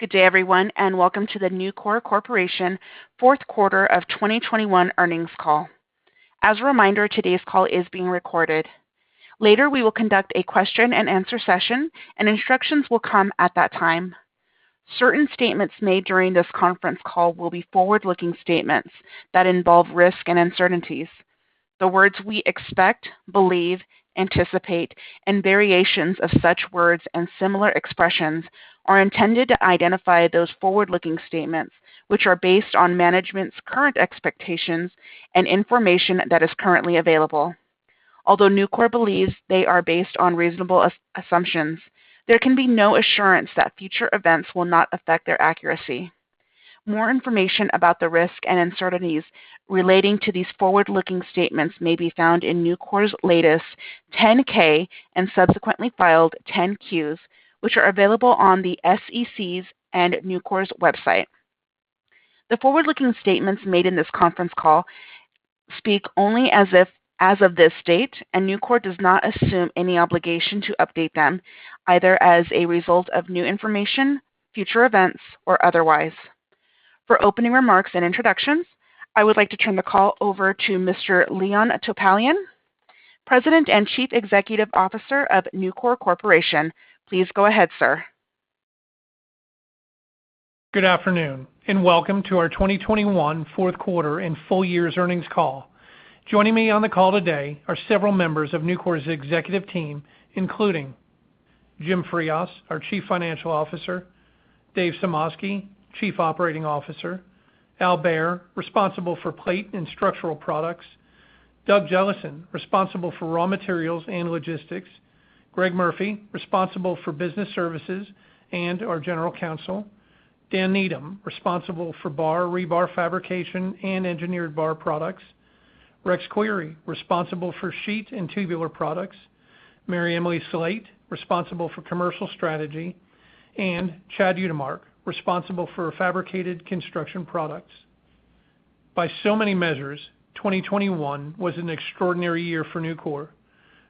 Good day, everyone, and welcome to the Nucor Corporation Fourth Quarter of 2021 Earnings Call. As a reminder, today's call is being recorded. Later, we will conduct a question-and-answer session and instructions will come at that time. Certain statements made during this conference call will be forward-looking statements that involve risks and uncertainties. The words we expect, believe, anticipate, and variations of such words and similar expressions are intended to identify those forward-looking statements, which are based on management's current expectations and information that is currently available. Although Nucor believes they are based on reasonable assumptions, there can be no assurance that future events will not affect their accuracy. More information about the risks and uncertainties relating to these forward-looking statements may be found in Nucor's latest 10-K and subsequently filed 10-Qs, which are available on the SEC's and Nucor's website. The forward-looking statements made in this conference call speak only as of this date, and Nucor does not assume any obligation to update them, either as a result of new information, future events, or otherwise. For opening remarks and introductions, I would like to turn the call over to Mr. Leon Topalian, President and Chief Executive Officer of Nucor Corporation. Please go ahead, sir. Good afternoon, and welcome to our 2021 Fourth Quarter and Full Year’s Earnings Call. Joining me on the call today are several members of Nucor’s executive team, including Jim Frias, our Chief Financial Officer, Dave Sumoski, Chief Operating Officer, Al Behr, responsible for plate and structural products, Doug Jellison, responsible for raw materials and logistics, Greg Murphy, responsible for business services and our General Counsel, Dan Needham, responsible for bar, rebar fabrication, and engineered bar products, Rex Query, responsible for sheet and tubular products, Mary Emily Slate, responsible for commercial strategy, and Chad Utermark, responsible for fabricated construction products. By so many measures, 2021 was an extraordinary year for Nucor.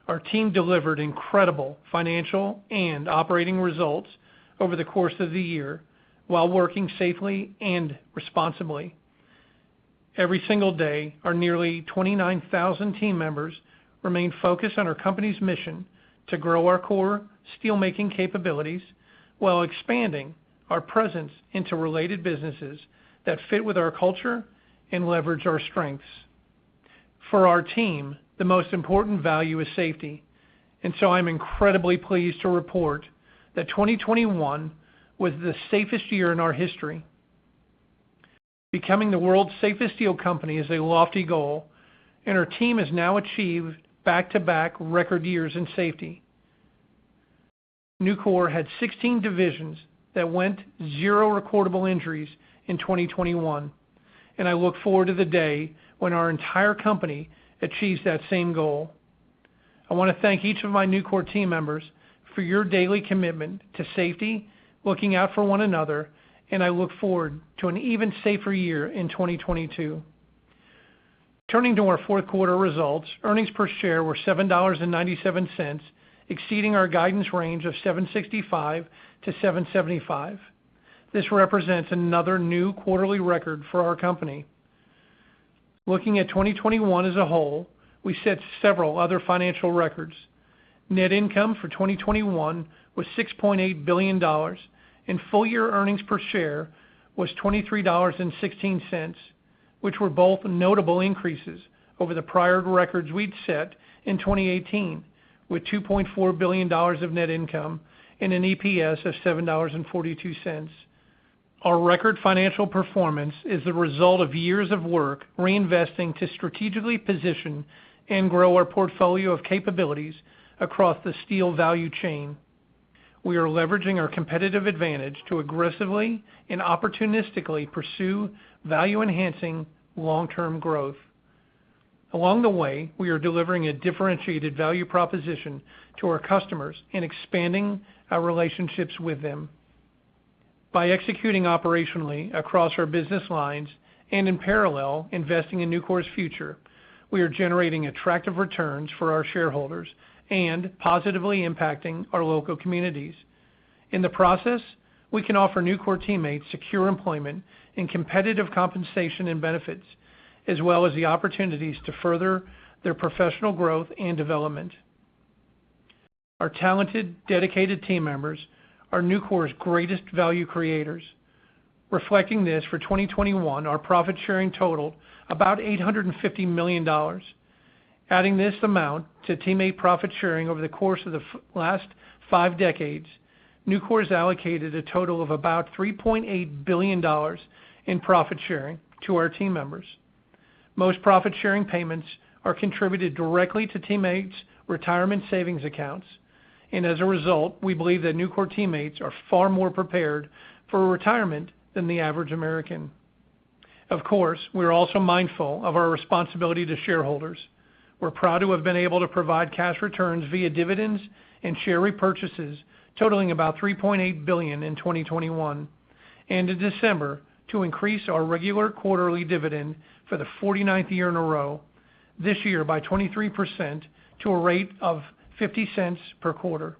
Our team delivered incredible financial and operating results over the course of the year while working safely and responsibly. Every single day, our nearly 29,000 team members remain focused on our company's mission to grow our core steelmaking capabilities while expanding our presence into related businesses that fit with our culture and leverage our strengths. For our team, the most important value is safety. I'm incredibly pleased to report that 2021 was the safest year in our history. Becoming the world's safest steel company is a lofty goal, and our team has now achieved back-to-back record years in safety. Nucor had 16 divisions that went zero recordable injuries in 2021, and I look forward to the day when our entire company achieves that same goal. I want to thank each of my Nucor team members for your daily commitment to safety, looking out for one another, and I look forward to an even safer year in 2022. Turning to our fourth quarter results, earnings per share were $7.97, exceeding our guidance range of $7.65-$7.75. This represents another new quarterly record for our company. Looking at 2021 as a whole, we set several other financial records. Net income for 2021 was $6.8 billion, and full-year earnings per share was $23.16, which were both notable increases over the prior records we'd set in 2018 with $2.4 billion of net income and an EPS of $7.42. Our record financial performance is the result of years of work reinvesting to strategically position and grow our portfolio of capabilities across the steel value chain. We are leveraging our competitive advantage to aggressively and opportunistically pursue value-enhancing long-term growth. Along the way, we are delivering a differentiated value proposition to our customers and expanding our relationships with them. By executing operationally across our business lines and in parallel, investing in Nucor's future, we are generating attractive returns for our shareholders and positively impacting our local communities. In the process, we can offer Nucor teammates secure employment and competitive compensation and benefits, as well as the opportunities to further their professional growth and development. Our talented, dedicated team members are Nucor's greatest value creators. Reflecting this, for 2021, our profit sharing totaled about $850 million. Adding this amount to teammate profit sharing over the course of the last five decades, Nucor's allocated a total of about $3.8 billion in profit sharing to our team members. Most profit sharing payments are contributed directly to teammates' retirement savings accounts, and as a result, we believe that Nucor teammates are far more prepared for retirement than the average American. Of course, we're also mindful of our responsibility to shareholders. We're proud to have been able to provide cash returns via dividends and share repurchases totaling about $3.8 billion in 2021. In December to increase our regular quarterly dividend for the 49th year in a row, this year by 23% to a rate of $0.50 per quarter.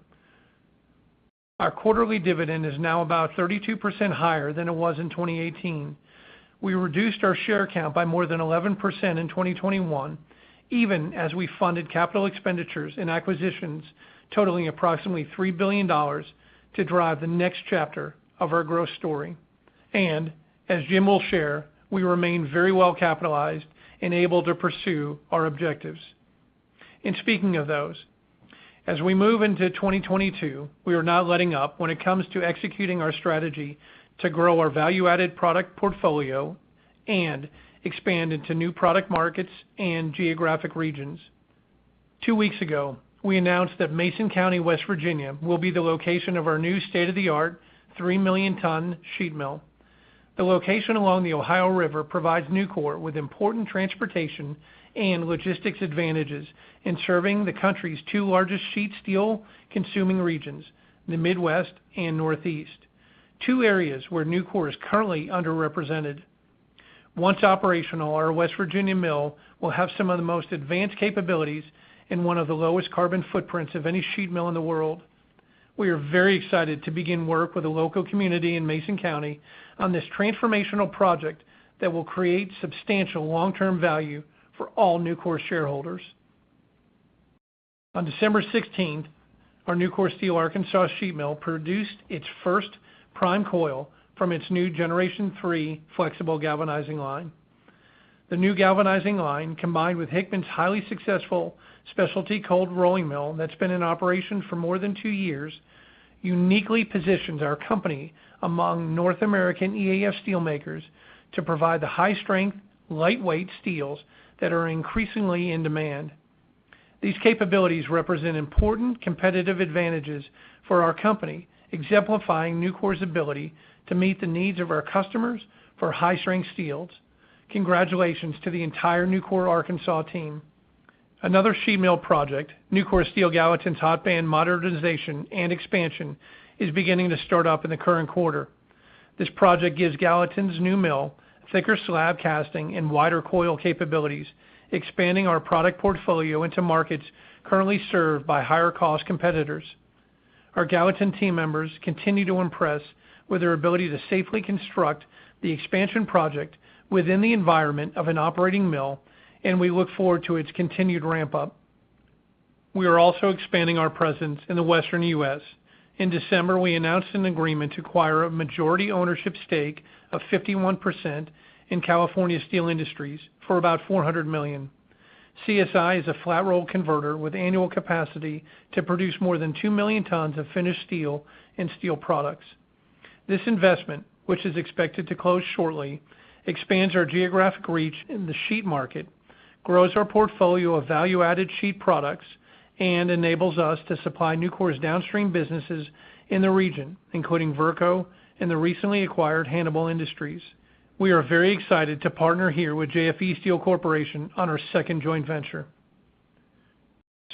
Our quarterly dividend is now about 32% higher than it was in 2018. We reduced our share count by more than 11% in 2021, even as we funded capital expenditures and acquisitions totaling approximately $3 billion to drive the next chapter of our growth story. As Jim will share, we remain very well capitalized and able to pursue our objectives. Speaking of those, as we move into 2022, we are not letting up when it comes to executing our strategy to grow our value-added product portfolio and expand into new product markets and geographic regions. Two weeks ago, we announced that Mason County, West Virginia, will be the location of our new state-of-the-art 3 million ton sheet mill. The location along the Ohio River provides Nucor with important transportation and logistics advantages in serving the country's two largest sheet steel consuming regions, the Midwest and Northeast, two areas where Nucor is currently underrepresented. Once operational, our West Virginia mill will have some of the most advanced capabilities and one of the lowest carbon footprints of any sheet mill in the world. We are very excited to begin work with the local community in Mason County on this transformational project that will create substantial long-term value for all Nucor shareholders. On December sixteenth, our Nucor Steel Arkansas sheet mill produced its first prime coil from its new Generation 3 flexible galvanizing line. The new galvanizing line, combined with Hickman's highly successful specialty cold rolling mill that's been in operation for more than two years, uniquely positions our company among North American EAF steelmakers to provide the high-strength, lightweight steels that are increasingly in demand. These capabilities represent important competitive advantages for our company, exemplifying Nucor's ability to meet the needs of our customers for high-strength steels. Congratulations to the entire Nucor Arkansas team. Another sheet mill project, Nucor Steel Gallatin's hot band modernization and expansion, is beginning to start up in the current quarter. This project gives Gallatin's new mill thicker slab casting and wider coil capabilities, expanding our product portfolio into markets currently served by higher-cost competitors. Our Gallatin team members continue to impress with their ability to safely construct the expansion project within the environment of an operating mill, and we look forward to its continued ramp-up. We are also expanding our presence in the Western U.S. In December, we announced an agreement to acquire a majority ownership stake of 51% in California Steel Industries for about $400 million. CSI is a flat roll converter with annual capacity to produce more than 2 million tons of finished steel and steel products. This investment, which is expected to close shortly, expands our geographic reach in the sheet market, grows our portfolio of value-added sheet products, and enables us to supply Nucor's downstream businesses in the region, including Verco and the recently acquired Hannibal Industries. We are very excited to partner here with JFE Steel Corporation on our second joint venture.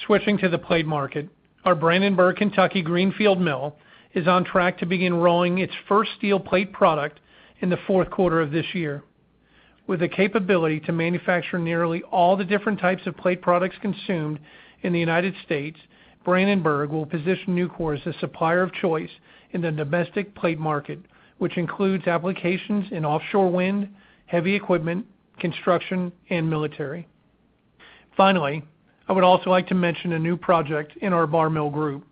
Switching to the plate market, our Brandenburg, Kentucky, greenfield mill is on track to begin rolling its first steel plate product in the fourth quarter of this year. With the capability to manufacture nearly all the different types of plate products consumed in the United States, Brandenburg will position Nucor as a supplier of choice in the domestic plate market, which includes applications in offshore wind, heavy equipment, construction, and military. Finally, I would also like to mention a new project in our bar mill group.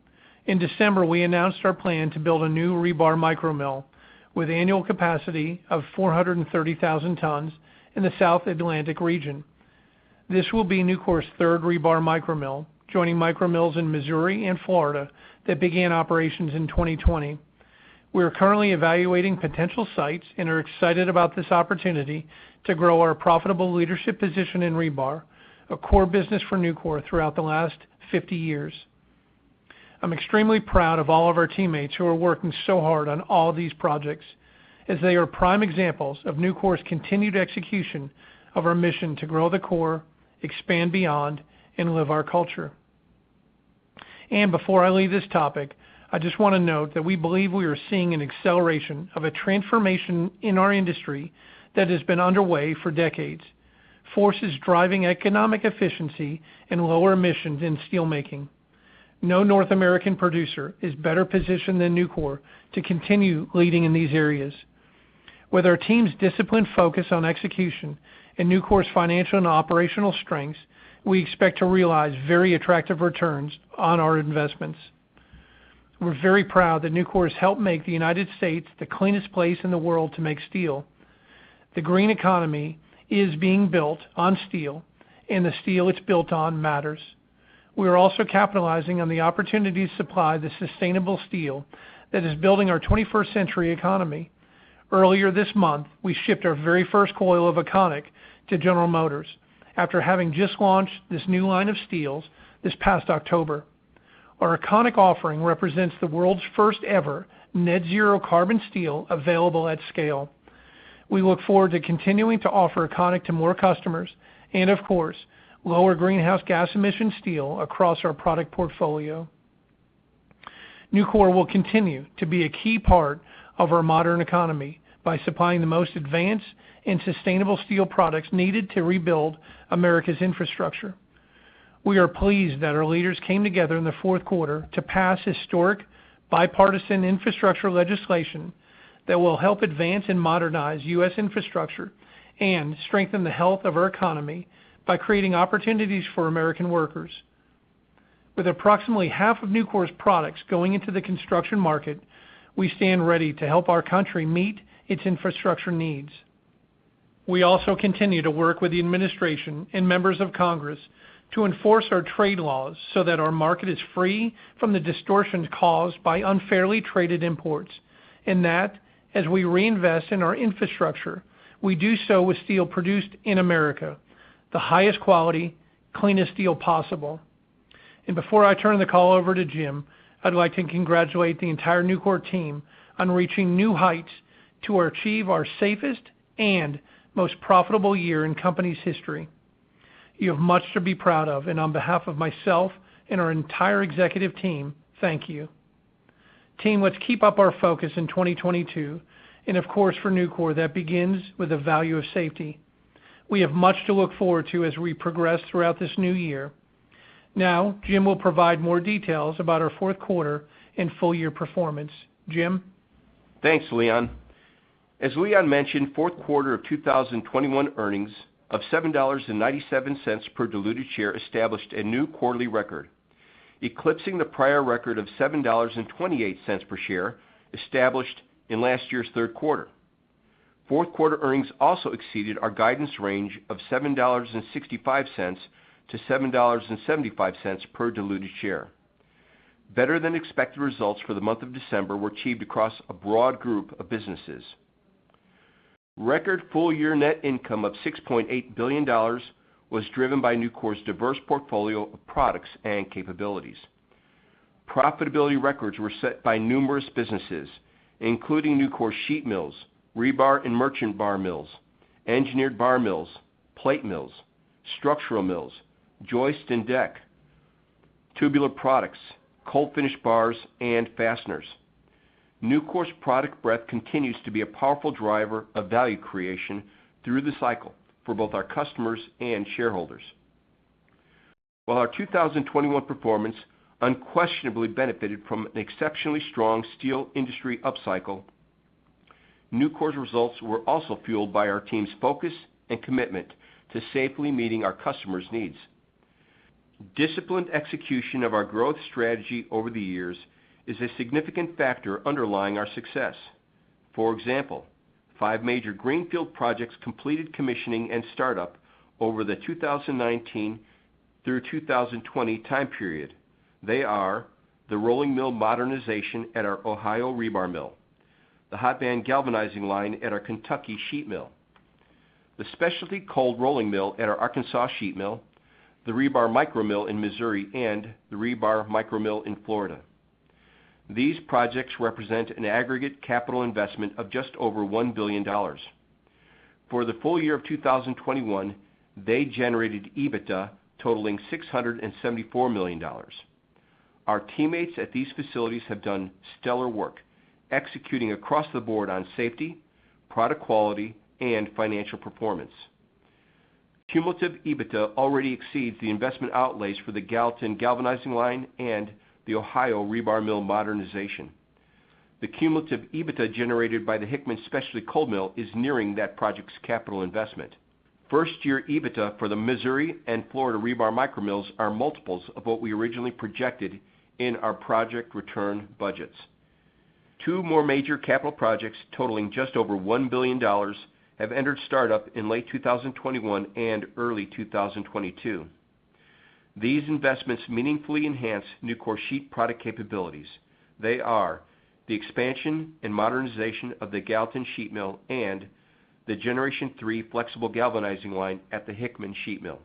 In December, we announced our plan to build a new rebar micromill with annual capacity of 430,000 tons in the South Atlantic region. This will be Nucor's third rebar micromill, joining micromills in Missouri and Florida that began operations in 2020. We are currently evaluating potential sites and are excited about this opportunity to grow our profitable leadership position in rebar, a core business for Nucor throughout the last 50 years. I'm extremely proud of all of our teammates who are working so hard on all these projects as they are prime examples of Nucor's continued execution of our mission to grow the core, expand beyond, and live our culture. Before I leave this topic, I just want to note that we believe we are seeing an acceleration of a transformation in our industry that has been underway for decades, forces driving economic efficiency and lower emissions in steel making. No North American producer is better positioned than Nucor to continue leading in these areas. With our team's disciplined focus on execution and Nucor's financial and operational strengths, we expect to realize very attractive returns on our investments. We're very proud that Nucor has helped make the United States the cleanest place in the world to make steel. The green economy is being built on steel, and the steel it's built on matters. We are also capitalizing on the opportunity to supply the sustainable steel that is building our 21st century economy. Earlier this month, we shipped our very first coil of Econiq to General Motors after having just launched this new line of steels this past October. Our Econiq offering represents the world's first ever net zero carbon steel available at scale. We look forward to continuing to offer Econiq to more customers and, of course, lower greenhouse gas emission steel across our product portfolio. Nucor will continue to be a key part of our modern economy by supplying the most advanced and sustainable steel products needed to rebuild America's infrastructure. We are pleased that our leaders came together in the fourth quarter to pass historic bipartisan infrastructure legislation that will help advance and modernize U.S. infrastructure and strengthen the health of our economy by creating opportunities for American workers. With approximately half of Nucor's products going into the construction market, we stand ready to help our country meet its infrastructure needs. We also continue to work with the administration and members of Congress to enforce our trade laws so that our market is free from the distortions caused by unfairly traded imports, and that as we reinvest in our infrastructure, we do so with steel produced in America, the highest quality, cleanest steel possible. Before I turn the call over to Jim, I'd like to congratulate the entire Nucor team on reaching new heights to achieve our safest and most profitable year in the company's history. You have much to be proud of, and on behalf of myself and our entire executive team, thank you. Team, let's keep up our focus in 2022, and of course, for Nucor, that begins with the value of safety. We have much to look forward to as we progress throughout this new year. Now, Jim will provide more details about our fourth quarter and full year performance. Jim? Thanks, Leon. As Leon mentioned, fourth quarter of 2021 earnings of $7.97 per diluted share established a new quarterly record, eclipsing the prior record of $7.28 per share established in last year's third quarter. Fourth quarter earnings also exceeded our guidance range of $7.65-$7.75 per diluted share. Better than expected results for the month of December were achieved across a broad group of businesses. Record full year net income of $6.8 billion was driven by Nucor's diverse portfolio of products and capabilities. Profitability records were set by numerous businesses, including Nucor Sheet Mills, Rebar and Merchant Bar Mills, Engineered Bar Mills, Plate Mills, Structural Mills, Joist and Deck, Tubular Products, Cold Finish Bars, and Fasteners. Nucor's product breadth continues to be a powerful driver of value creation through the cycle for both our customers and shareholders. While our 2021 performance unquestionably benefited from an exceptionally strong steel industry upcycle, Nucor's results were also fueled by our team's focus and commitment to safely meeting our customers' needs. Disciplined execution of our growth strategy over the years is a significant factor underlying our success. For example, five major greenfield projects completed commissioning and startup over the 2019 through 2020 time period. They are the rolling mill modernization at our Ohio Rebar mill, the hot band galvanizing line at our Kentucky Sheet mill, the specialty cold rolling mill at our Arkansas Sheet mill, the Rebar micro mill in Missouri, and the Rebar micro mill in Florida. These projects represent an aggregate capital investment of just over $1 billion. For the full year of 2021, they generated EBITDA totaling $674 million. Our teammates at these facilities have done stellar work executing across the board on safety, product quality, and financial performance. Cumulative EBITDA already exceeds the investment outlays for the Gallatin galvanizing line and the Ohio Rebar mill modernization. The cumulative EBITDA generated by the Hickman Specialty Cold Mill is nearing that project's capital investment. First year EBITDA for the Missouri and Florida Rebar micromills are multiples of what we originally projected in our project return budgets. Two more major capital projects totaling just over $1 billion have entered startup in late 2021 and early 2022. These investments meaningfully enhance Nucor Sheet product capabilities. They are the expansion and modernization of the Gallatin Sheet Mill and the Generation 3 flexible galvanizing line at the Hickman Sheet Mill.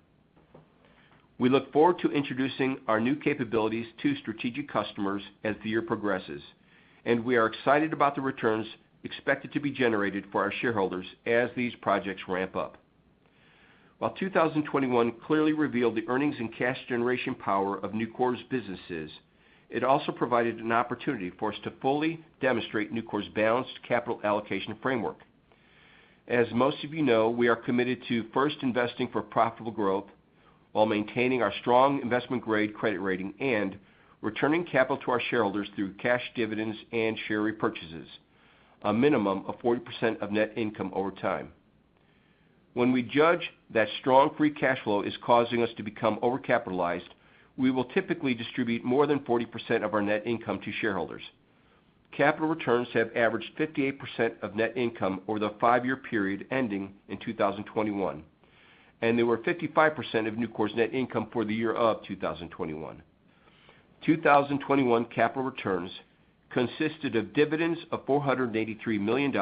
We look forward to introducing our new capabilities to strategic customers as the year progresses, and we are excited about the returns expected to be generated for our shareholders as these projects ramp up. While 2021 clearly revealed the earnings and cash generation power of Nucor's businesses, it also provided an opportunity for us to fully demonstrate Nucor's balanced capital allocation framework. As most of you know, we are committed to first investing for profitable growth while maintaining our strong investment-grade credit rating and returning capital to our shareholders through cash dividends and share repurchases, a minimum of 40% of net income over time. When we judge that strong free cash flow is causing us to become overcapitalized, we will typically distribute more than 40% of our net income to shareholders. Capital returns have averaged 58% of net income over the five-year period ending in 2021, and they were 55% of Nucor's net income for the year of 2021. 2021 capital returns consisted of dividends of $483 million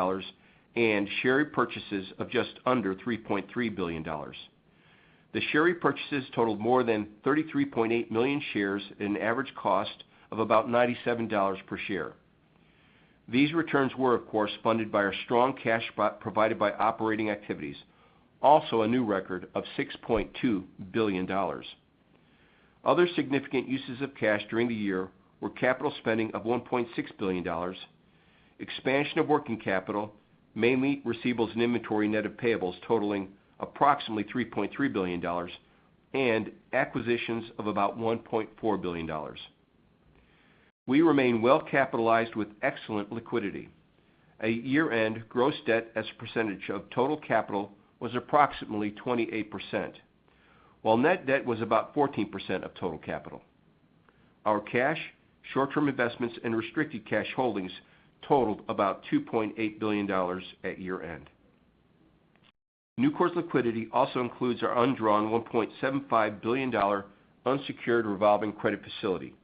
and share repurchases of just under $3.3 billion. The share repurchases totaled more than 33.8 million shares at an average cost of about $97 per share. These returns were of course funded by our strong cash provided by operating activities, also a new record of $6.2 billion. Other significant uses of cash during the year were capital spending of $1.6 billion, expansion of working capital, mainly receivables and inventory net of payables totaling approximately $3.3 billion, and acquisitions of about $1.4 billion. We remain well-capitalized with excellent liquidity. At year-end, gross debt as a percentage of total capital was approximately 28%, while net debt was about 14% of total capital. Our cash, short-term investments, and restricted cash holdings totaled about $2.8 billion at year-end. Nucor's liquidity also includes our undrawn $1.75 billion unsecured revolving credit facility.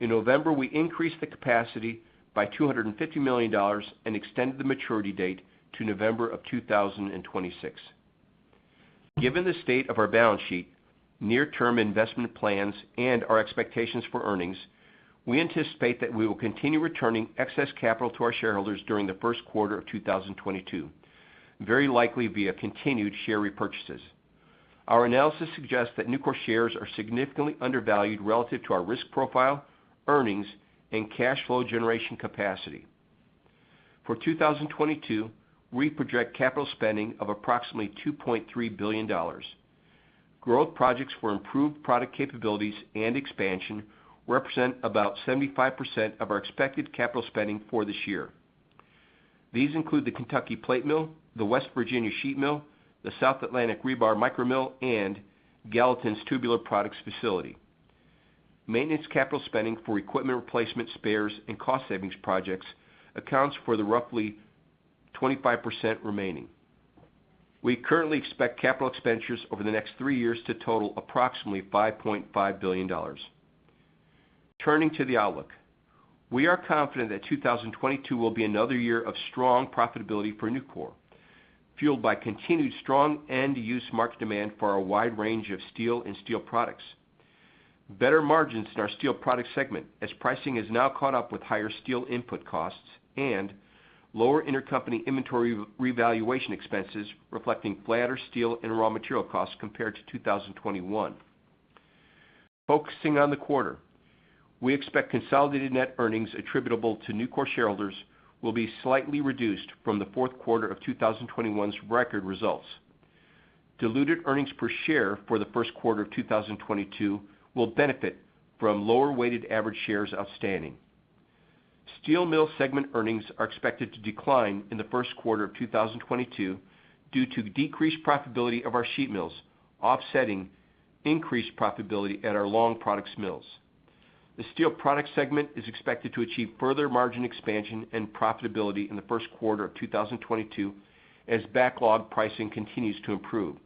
In November, we increased the capacity by $250 million and extended the maturity date to November 2026. Given the state of our balance sheet, near-term investment plans, and our expectations for earnings, we anticipate that we will continue returning excess capital to our shareholders during the first quarter of 2022, very likely via continued share repurchases. Our analysis suggests that Nucor shares are significantly undervalued relative to our risk profile, earnings, and cash flow generation capacity. For 2022, we project capital spending of approximately $2.3 billion. Growth projects for improved product capabilities and expansion represent about 75% of our expected capital spending for this year. These include the Kentucky plate mill, the West Virginia sheet mill, the South Atlantic rebar micro mill, and Gallatin's tubular products facility. Maintenance capital spending for equipment replacement spares and cost savings projects accounts for the roughly 25% remaining. We currently expect capital expenditures over the next three years to total approximately $5.5 billion. Turning to the outlook. We are confident that 2022 will be another year of strong profitability for Nucor, fueled by continued strong end-use market demand for our wide range of steel and steel products. Better margins in our Steel Products segment as pricing has now caught up with higher steel input costs and lower intercompany inventory revaluation expenses, reflecting flatter steel and raw material costs compared to 2021. Focusing on the quarter, we expect consolidated net earnings attributable to Nucor shareholders will be slightly reduced from the fourth quarter of 2021's record results. Diluted earnings per share for the first quarter of 2022 will benefit from lower weighted average shares outstanding. Steel Mills segment earnings are expected to decline in the first quarter of 2022 due to the decreased profitability of our sheet mills, offsetting increased profitability at our long products mills. The Steel Products segment is expected to achieve further margin expansion and profitability in the first quarter of 2022 as backlog pricing continues to improve.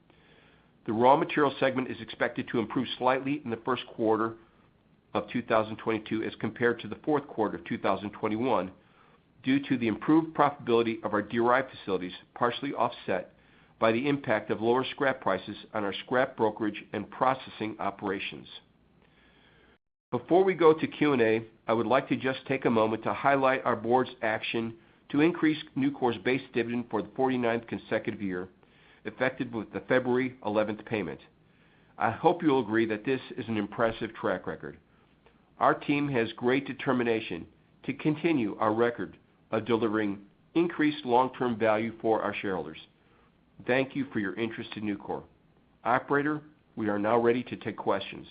The raw material segment is expected to improve slightly in the first quarter of 2022 as compared to the fourth quarter of 2021 due to the improved profitability of our DRI facilities, partially offset by the impact of lower scrap prices on our scrap brokerage and processing operations. Before we go to Q&A, I would like to just take a moment to highlight our board's action to increase Nucor's base dividend for the 49th consecutive year, effective with the February 11th payment. I hope you'll agree that this is an impressive track record. Our team has great determination to continue our record of delivering increased long-term value for our shareholders. Thank you for your interest in Nucor. Operator, we are now ready to take questions.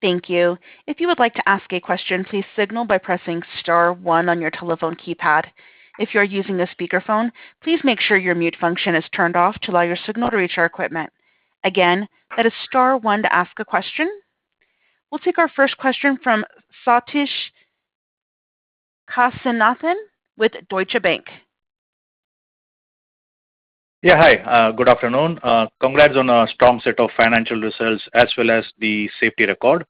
Thank you. If you would like to ask a question, please signal by pressing star one on your telephone keypad. If you're using a speakerphone, please make sure your mute function is turned off to allow your signal to reach our equipment. Again, that is star one to ask a question. We'll take our first question from Sathish Kasinathan with Deutsche Bank. Yeah, hi, good afternoon. Congrats on a strong set of financial results as well as the safety record.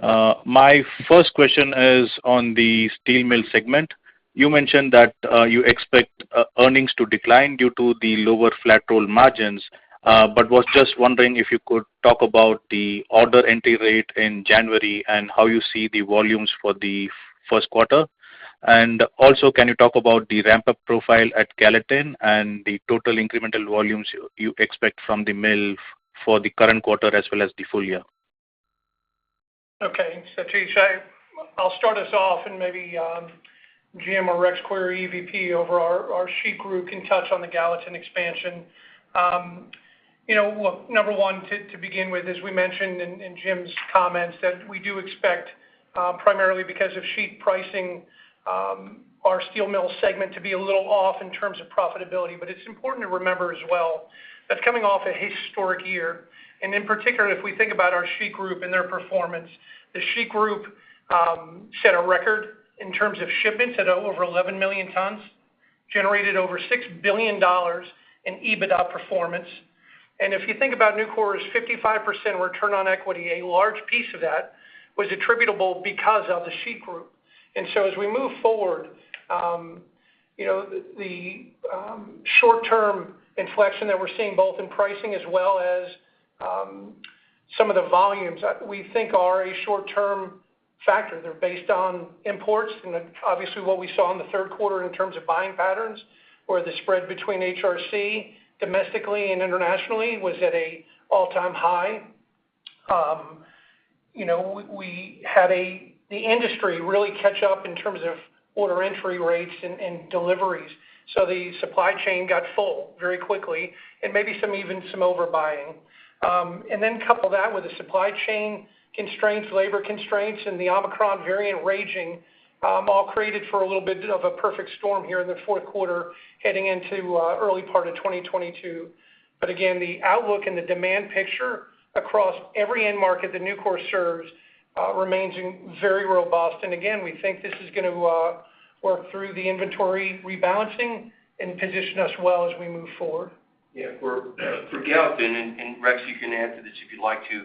My first question is on the steel mill segment. You mentioned that you expect earnings to decline due to the lower flat roll margins, but was just wondering if you could talk about the order entry rate in January and how you see the volumes for the first quarter. Also, can you talk about the ramp-up profile at Gallatin and the total incremental volumes you expect from the mill for the current quarter as well as the full year? Sathish, I'll start us off and maybe Jim or Rex Query, EVP over our Sheet Group, can touch on the Gallatin expansion. You know, number one, to begin with, as we mentioned in Jim's comments, that we do expect, primarily because of sheet pricing, our Steel Mills segment to be a little off in terms of profitability. It's important to remember as well that's coming off a historic year, and in particular, if we think about our Sheet Group and their performance, the Sheet Group set a record in terms of shipments at over 11 million tons, generated over $6 billion in EBITDA performance. If you think about Nucor's 55% return on equity, a large piece of that was attributable because of the Sheet Group. As we move forward, you know, the short-term inflection that we're seeing both in pricing as well as some of the volumes that we think are a short-term factor. They're based on imports and obviously what we saw in the third quarter in terms of buying patterns, where the spread between HRC domestically and internationally was at an all-time high. You know, we had the industry really catch up in terms of order entry rates and deliveries. The supply chain got full very quickly and maybe even some overbuying. Then couple that with the supply chain constraints, labor constraints, and the Omicron variant raging, all created a little bit of a perfect storm here in the fourth quarter heading into early part of 2022. Again, the outlook and the demand picture across every end market that Nucor serves remains very robust. Again, we think this is gonna work through the inventory rebalancing and position us well as we move forward. Yeah. For Gallatin, and Rex, you can add to this if you'd like to. You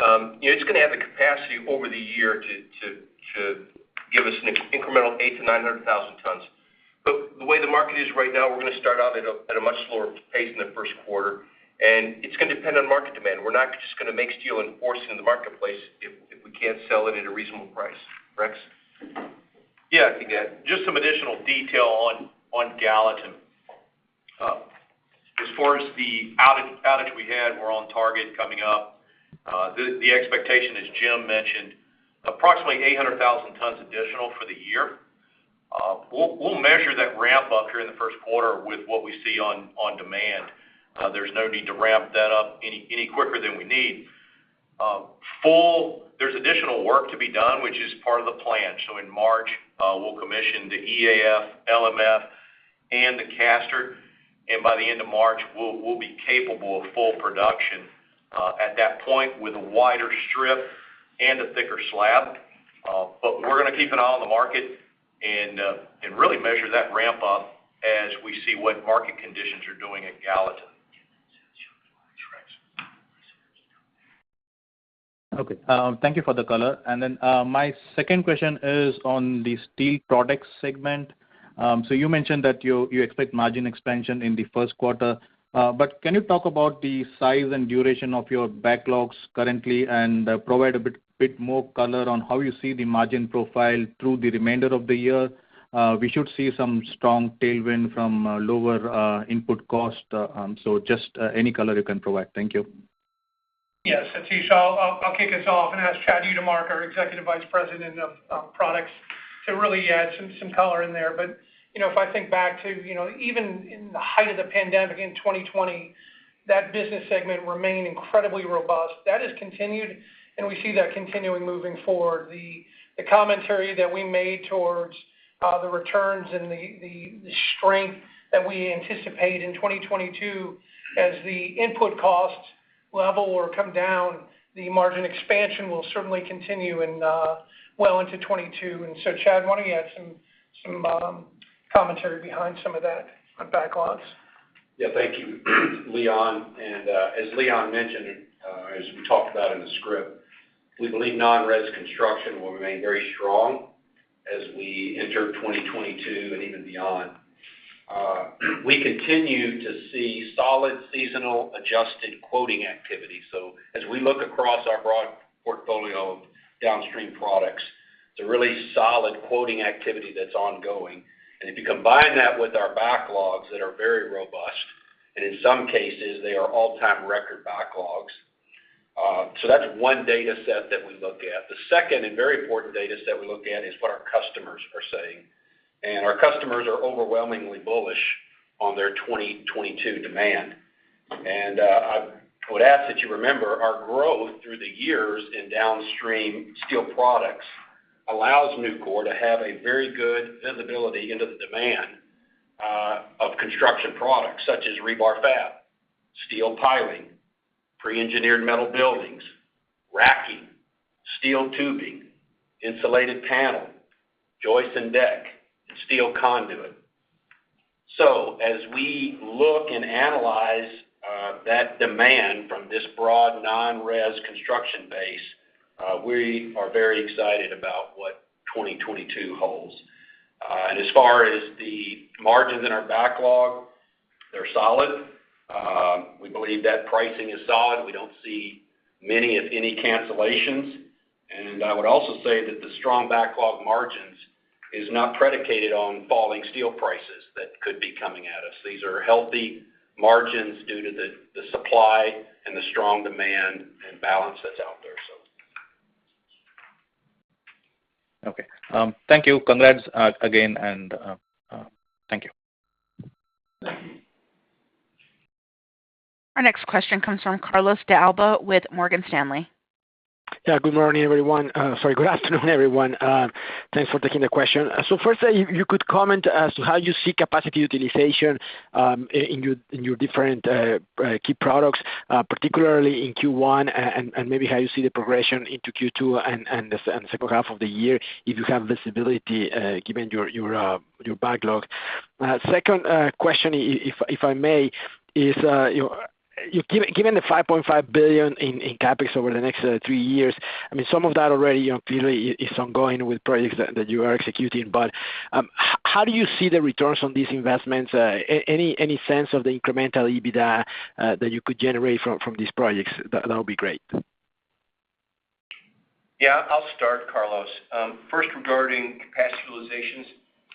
know, it's gonna have the capacity over the year to give us an incremental 800,000-900,000 tons. But the way the market is right now, we're gonna start out at a much slower pace in the first quarter, and it's gonna depend on market demand. We're not just gonna make steel and force it in the marketplace if we can't sell it at a reasonable price. Rex? Yeah, I can add just some additional detail on Gallatin. As far as the outage we had, we're on target coming up. The expectation, as Jim mentioned, approximately 800,000 tons additional for the year. We'll measure that ramp up here in the first quarter with what we see on demand. There's no need to ramp that up any quicker than we need. There's additional work to be done, which is part of the plan. In March, we'll commission the EAF, LMF, and the caster. By the end of March, we'll be capable of full production at that point with a wider strip and a thicker slab. We're gonna keep an eye on the market and really measure that ramp up as we see what market conditions are doing at Gallatin. Okay. Thank you for the color. My second question is on the Steel Products segment. So you mentioned that you expect margin expansion in the first quarter. But can you talk about the size and duration of your backlogs currently and provide a bit more color on how you see the margin profile through the remainder of the year? We should see some strong tailwind from lower input cost. So just any color you can provide. Thank you. Yes. Satish, I'll kick us off and ask Chad Utermark, our Executive Vice President of Products, to really add some color in there. You know, if I think back to, you know, even in the height of the pandemic in 2020, that business segment remained incredibly robust. That has continued, and we see that continuing moving forward. The commentary that we made towards the returns and the strength that we anticipate in 2022 as the input costs level or come down, the margin expansion will certainly continue and well into 2022. Chad, why don't you add some commentary behind some of that on backlogs? Yeah. Thank you, Leon. As Leon mentioned, as we talked about in the script, we believe non-res construction will remain very strong as we enter 2022 and even beyond. We continue to see solid seasonally adjusted quoting activity. As we look across our broad portfolio of downstream products, it's a really solid quoting activity that's ongoing. If you combine that with our backlogs that are very robust, and in some cases they are all-time record backlogs. That's one data set that we look at. The second, and very important, data set we look at is what our customers are saying. Our customers are overwhelmingly bullish on their 2022 demand. I would ask that you remember our growth through the years in downstream steel products allows Nucor to have a very good visibility into the demand of construction products such as rebar fab, steel tiling, pre-engineered metal buildings, racking, steel tubing, insulated panel, joist and deck, and steel conduit. As we look and analyze that demand from this broad non-res construction base, we are very excited about what 2022 holds. As far as the margins in our backlog, they're solid. We believe that pricing is solid. We don't see many, if any, cancellations. I would also say that the strong backlog margins is not predicated on falling steel prices that could be coming at us. These are healthy margins due to the supply and the strong demand and balance that's out there. Okay. Thank you. Congrats, again, and, thank you. Thank you. Our next question comes from Carlos de Alba with Morgan Stanley. Good morning, everyone. Sorry. Good afternoon, everyone. Thanks for taking the question. First, you could comment as to how you see capacity utilization in your different key products, particularly in Q1, and maybe how you see the progression into Q2 and the second half of the year if you have visibility, given your backlog. Second question, if I may, is, you know, given the $5.5 billion in CapEx over the next three years, I mean, some of that already, you know, clearly is ongoing with projects that you are executing. How do you see the returns on these investments? Any sense of the incremental EBITDA that you could generate from these projects? That, that'll be great. Yeah, I'll start, Carlos. First, regarding capacity utilizations,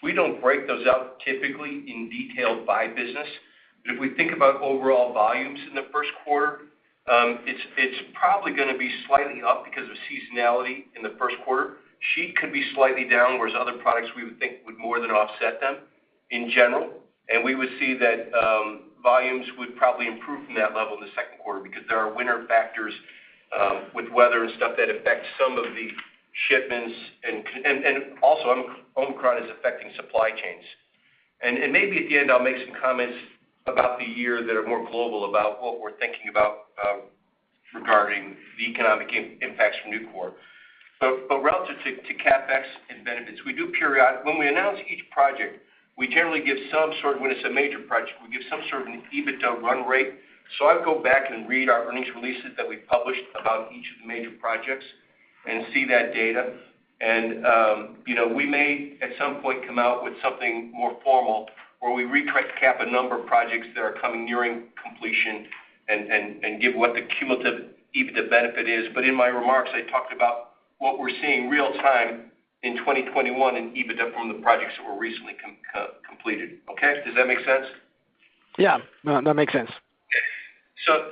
we don't break those out typically in detail by business. If we think about overall volumes in the first quarter, it's probably gonna be slightly up because of seasonality in the first quarter. Sheet could be slightly down, whereas other products we would think would more than offset them in general. We would see that volumes would probably improve from that level in the second quarter because there are winter factors with weather and stuff that affects some of the shipments and also, Omicron is affecting supply chains. Maybe at the end, I'll make some comments about the year that are more global about what we're thinking about regarding the economic impacts from Nucor. Relative to CapEx and benefits, we do periodic... When we announce each project, we generally give some sort of an EBITDA run rate. I'd go back and read our earnings releases that we published about each of the major projects and see that data. You know, we may, at some point, come out with something more formal where we recap a number of projects that are nearing completion and give what the cumulative EBITDA benefit is. In my remarks, I talked about what we're seeing real-time in 2021 in EBITDA from the projects that were recently completed. Okay? Does that make sense? Yeah. No, that makes sense. Okay.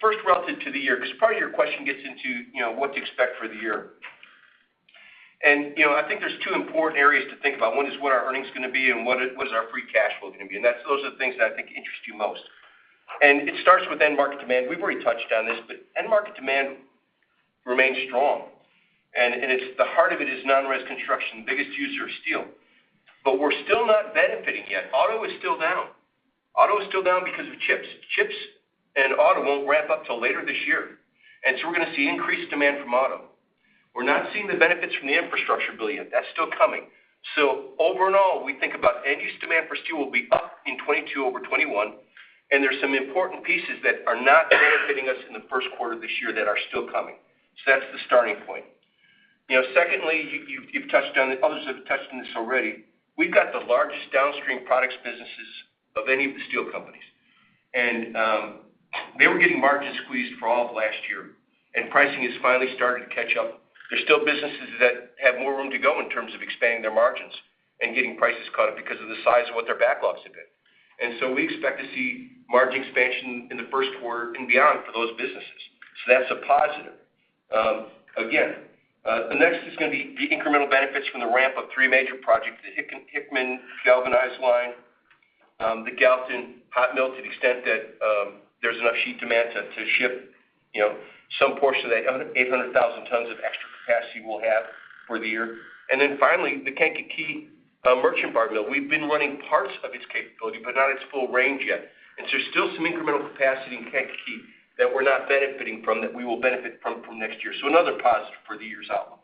First, relative to the year, 'cause part of your question gets into, you know, what to expect for the year. You know, I think there's two important areas to think about. One is what our earnings gonna be and what is our free cash flow gonna be. Those are the things that I think interest you most. It starts with end market demand. We've already touched on this, but end market demand remains strong. It's the heart of it is non-res construction, the biggest user of steel. We're still not benefiting yet. Auto is still down. Auto is still down because of chips. Chips and auto won't ramp up till later this year. We're gonna see increased demand from auto. We're not seeing the benefits from the infrastructure bill yet. That's still coming. Overall, we think about end use demand for steel will be up in 2022 over 2021, and there's some important pieces that are not benefiting us in the first quarter this year that are still coming. That's the starting point. Secondly, others have touched on this already. We've got the largest downstream products businesses of any of the steel companies. They were getting margins squeezed for all of last year, and pricing is finally starting to catch up. There's still businesses that have more room to go in terms of expanding their margins and getting prices caught up because of the size of what their backlogs have been. We expect to see margin expansion in the first quarter and beyond for those businesses. That's a positive. Again, the next is gonna be the incremental benefits from the ramp of three major projects, the Hickman galvanized line, the Gallatin hot mill to the extent that there's enough sheet demand to ship, you know, some portion of the 800,000 tons of extra capacity we'll have for the year. Finally, the Kankakee merchant bar mill. We've been running parts of its capability, but not its full range yet. There's still some incremental capacity in Kankakee that we're not benefiting from that we will benefit from next year. Another positive for the year's outlook.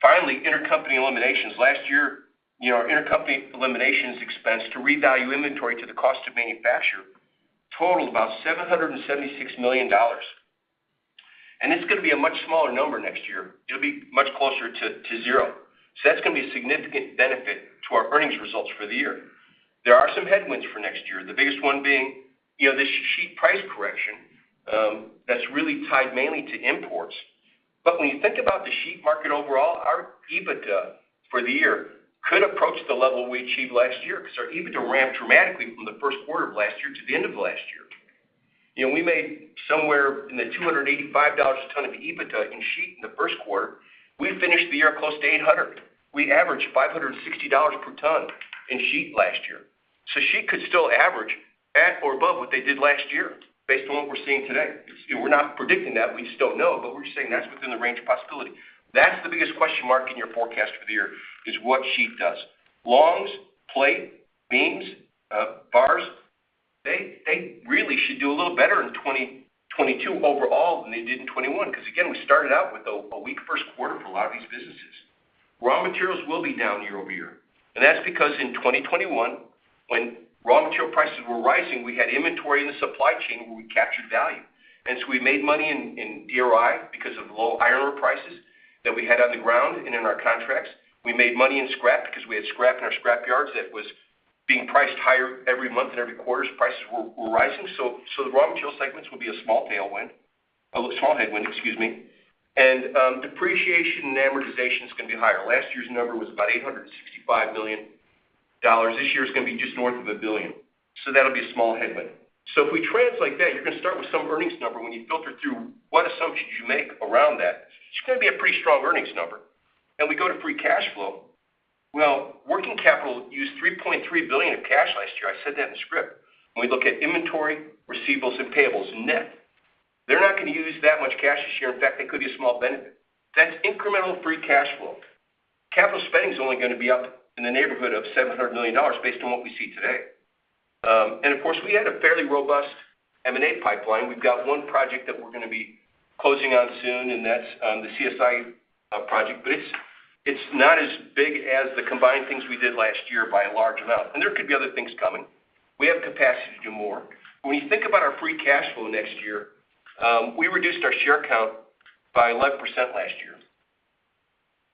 Finally, intercompany eliminations. Last year, you know, our intercompany eliminations expense to revalue inventory to the cost of manufacturer totaled about $776 million. It's gonna be a much smaller number next year. It'll be much closer to zero. That's gonna be a significant benefit to our earnings results for the year. There are some headwinds for next year, the biggest one being, you know, the sheet price correction, that's really tied mainly to imports. When you think about the sheet market overall, our EBITDA for the year could approach the level we achieved last year because our EBITDA ramped dramatically from the first quarter of last year to the end of last year. You know, we made somewhere in the $285 a ton of EBITDA in sheet in the first quarter. We finished the year close to 800. We averaged $560 per ton in sheet last year. Sheet could still average at or above what they did last year based on what we're seeing today. We're not predicting that. We just don't know, but we're saying that's within the range of possibility. That's the biggest question mark in your forecast for the year is what sheet does. Longs, plate, beams, bars, they really should do a little better in 2022 overall than they did in 2021 because, again, we started out with a weak first quarter for a lot of these businesses. Raw materials will be down year-over-year, and that's because in 2021, when raw material prices were rising, we had inventory in the supply chain where we captured value. We made money in DRI because of low iron ore prices that we had on the ground and in our contracts. We made money in scrap because we had scrap in our scrap yards that was being priced higher every month and every quarter as prices were rising. The raw material segments will be a small tailwind, a small headwind, excuse me. Depreciation and amortization is gonna be higher. Last year's number was about $865 million. This year, it's gonna be just north of $1 billion. That'll be a small headwind. If we translate that, you're gonna start with some earnings number. When you filter through what assumptions you make around that, it's gonna be a pretty strong earnings number. We go to free cash flow. Well, working capital used $3.3 billion of cash last year. I said that in the script. When we look at inventory, receivables, and payables net, they're not gonna use that much cash this year. In fact, they could be a small benefit. That's incremental free cash flow. Capital spending is only gonna be up in the neighborhood of $700 million based on what we see today. And of course, we had a fairly robust M&A pipeline. We've got one project that we're gonna be closing on soon, and that's the CSI project. But it's not as big as the combined things we did last year by a large amount. There could be other things coming. We have capacity to do more. When you think about our free cash flow next year, we reduced our share count by 11% last year.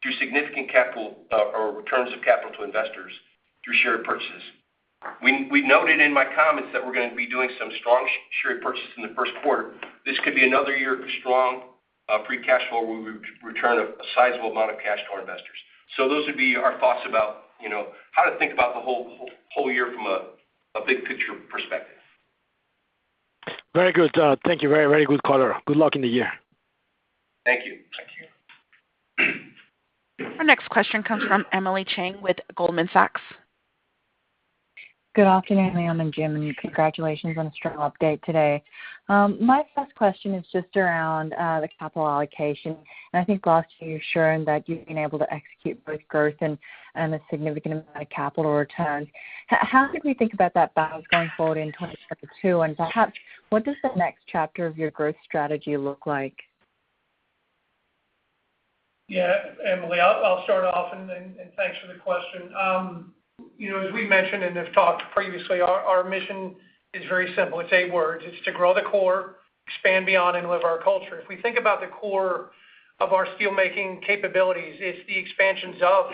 Through significant capital or returns of capital to investors through share purchases. We noted in my comments that we're gonna be doing some strong share purchases in the first quarter. This could be another year of strong free cash flow where we return a sizable amount of cash to our investors. Those would be our thoughts about how to think about the whole year from a big-picture perspective. Very good. Thank you. Very, very good color. Good luck in the year. Thank you. Thank you. Our next question comes from Emily Chieng with Goldman Sachs. Good afternoon, Leon and Jim, and congratulations on a strong update today. My first question is just around the capital allocation. I think last year you're showing that you've been able to execute both growth and a significant amount of capital returns. How should we think about that balance going forward in 2022? Perhaps, what does the next chapter of your growth strategy look like? Yeah, Emily, I'll start off and thanks for the question. You know, as we mentioned and have talked previously, our mission is very simple. It's eight words. It's to grow the core, expand beyond, and live our culture. If we think about the core of our steelmaking capabilities, it's the expansions of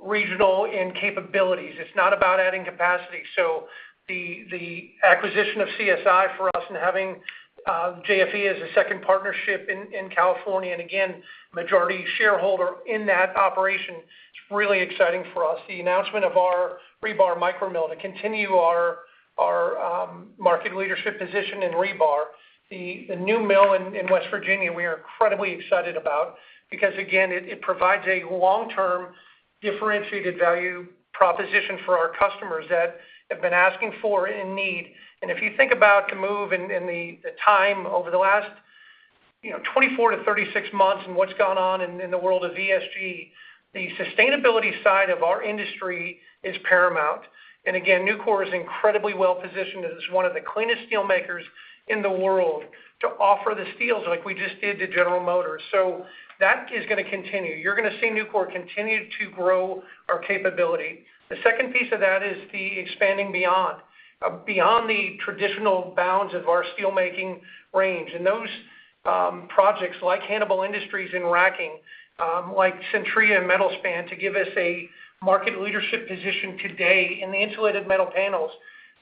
regional and capabilities. It's not about adding capacity. The acquisition of CSI for us and having JFE as a second partnership in California, and again, majority shareholder in that operation, it's really exciting for us. The announcement of our rebar micromill to continue our market leadership position in rebar. The new mill in West Virginia we are incredibly excited about because, again, it provides a long-term differentiated value proposition for our customers that have been asking for and need. If you think about the move and the time over the last, you know, 24-36 months and what's gone on in the world of ESG, the sustainability side of our industry is paramount. Nucor is incredibly well-positioned as one of the cleanest steelmakers in the world to offer the steels like we just did to General Motors. That is gonna continue. You're gonna see Nucor continue to grow our capability. The second piece of that is the expanding beyond the traditional bounds of our steelmaking range. Those projects like Hannibal Industries in racking, like CENTRIA and Metl-Span, to give us a market leadership position today in the insulated metal panels,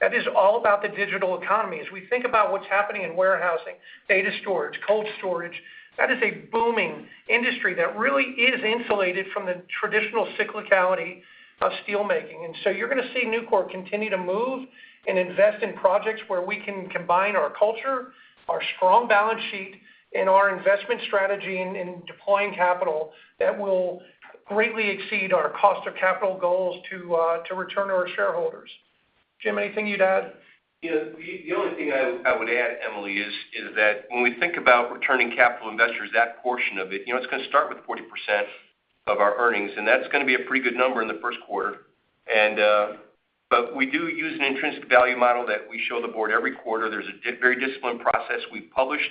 that is all about the digital economy. As we think about what's happening in warehousing, data storage, cold storage, that is a booming industry that really is insulated from the traditional cyclicality of steelmaking. You're gonna see Nucor continue to move and invest in projects where we can combine our culture, our strong balance sheet, and our investment strategy in deploying capital that will greatly exceed our cost of capital goals to return to our shareholders. Jim, anything you'd add? Yeah. The only thing I would add, Emily, is that when we think about returning capital to investors, that portion of it, you know, it's gonna start with 40% of our earnings, and that's gonna be a pretty good number in the first quarter. But we do use an intrinsic value model that we show the board every quarter. There's a very disciplined process. We published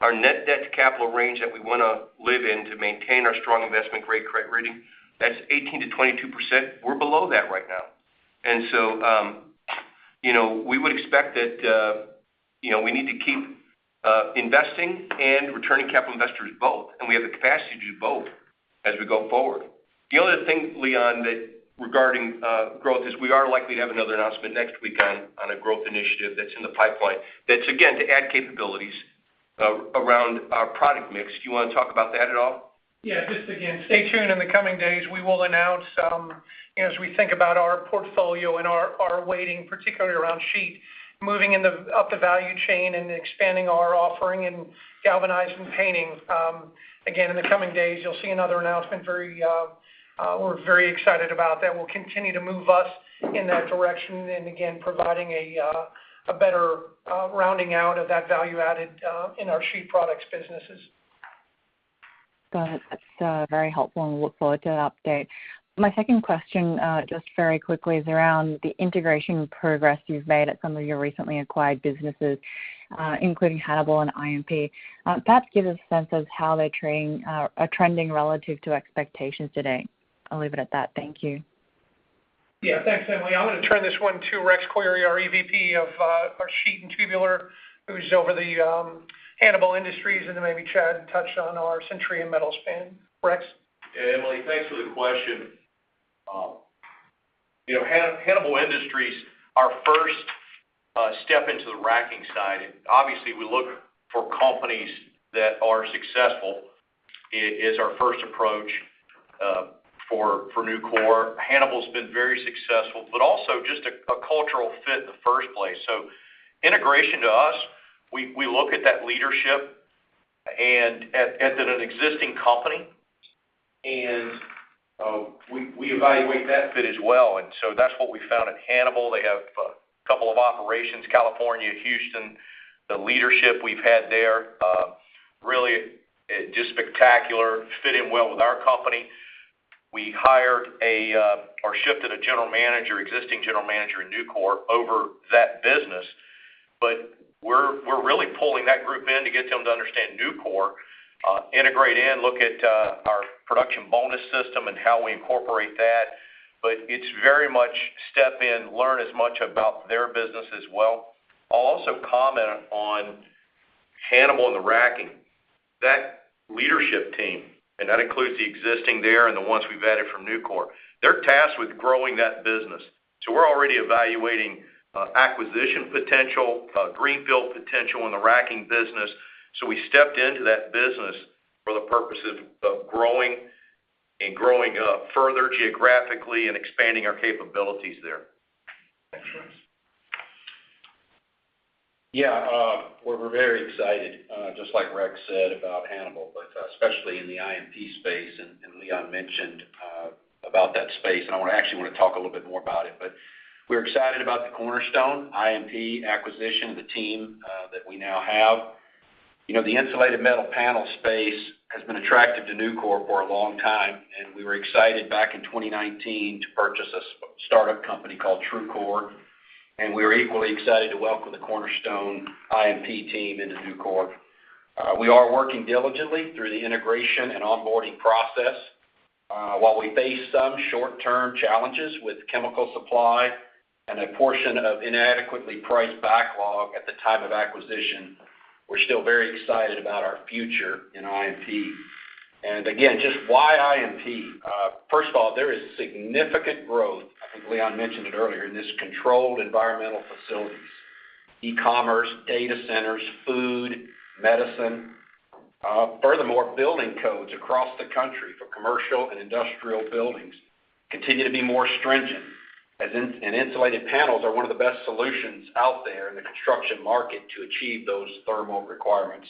our net debt to capital range that we wanna live in to maintain our strong investment-grade credit rating. That's 18%-22%. We're below that right now. You know, we would expect that we need to keep investing and returning capital to investors both, and we have the capacity to do both as we go forward. The other thing, Leon, regarding growth is we are likely to have another announcement next week on a growth initiative that's in the pipeline. That's again to add capabilities around our product mix. Do you wanna talk about that at all? Yeah, just again, stay tuned in the coming days. We will announce, you know, as we think about our portfolio and our weighting, particularly around sheet, moving up the value chain and expanding our offering in galvanizing and painting. Again, in the coming days, you'll see another announcement. We're very excited about that. It will continue to move us in that direction and, again, providing a better rounding out of that value-added in our sheet products businesses. Got it. That's very helpful, and we look forward to that update. My second question, just very quickly, is around the integration progress you've made at some of your recently acquired businesses, including Hannibal and IMP. Perhaps give us a sense of how they're trending relative to expectations today. I'll leave it at that. Thank you. Yeah. Thanks, Emily. I'm gonna turn this one to Rex Query, our EVP of our Sheet and Tubular, who's over the Hannibal Industries, and then maybe Chad touch on our CENTRIA and Metl-Span. Rex. Yeah, Emily, thanks for the question. You know, Hannibal Industries, our first step into the racking side. Obviously, we look for companies that are successful, is our first approach for Nucor. Hannibal's been very successful, but also just a cultural fit in the first place. Integration to us, we look at that leadership and at an existing company, and we evaluate that fit as well. That's what we found at Hannibal. They have a couple of operations, California, Houston. The leadership we've had there, really just spectacular, fit in well with our company. We hired or shifted a general manager, existing general manager at Nucor over that business. We're really pulling that group in to get them to understand Nucor, integrate in, look at our production bonus system and how we incorporate that. It's very much step in, learn as much about their business as well. I'll also comment on Hannibal and the racking, that leadership team, and that includes the existing there and the ones we've added from Nucor, they're tasked with growing that business. We're already evaluating acquisition potential, greenfield potential in the racking business. We stepped into that business for the purpose of growing and growing up further geographically and expanding our capabilities there. Excellent. Yeah. We're very excited, just like Rex said about Hannibal, but especially in the IMP space, and Leon mentioned about that space, and I actually wanna talk a little bit more about it. We're excited about the Cornerstone IMP acquisition, the team that we now have. You know, the insulated metal panel space has been attractive to Nucor for a long time, and we were excited back in 2019 to purchase a startup company called TrueCore. We are equally excited to welcome the Cornerstone IMP team into Nucor. We are working diligently through the integration and onboarding process. While we face some short-term challenges with chemical supply and a portion of inadequately priced backlog at the time of acquisition, we're still very excited about our future in IMP. Again, just why IMP? First of all, there is significant growth, I think Leon mentioned it earlier, in this controlled environmental facilities, e-commerce, data centers, food, medicine. Furthermore, building codes across the country for commercial and industrial buildings continue to be more stringent, and insulated panels are one of the best solutions out there in the construction market to achieve those thermal requirements.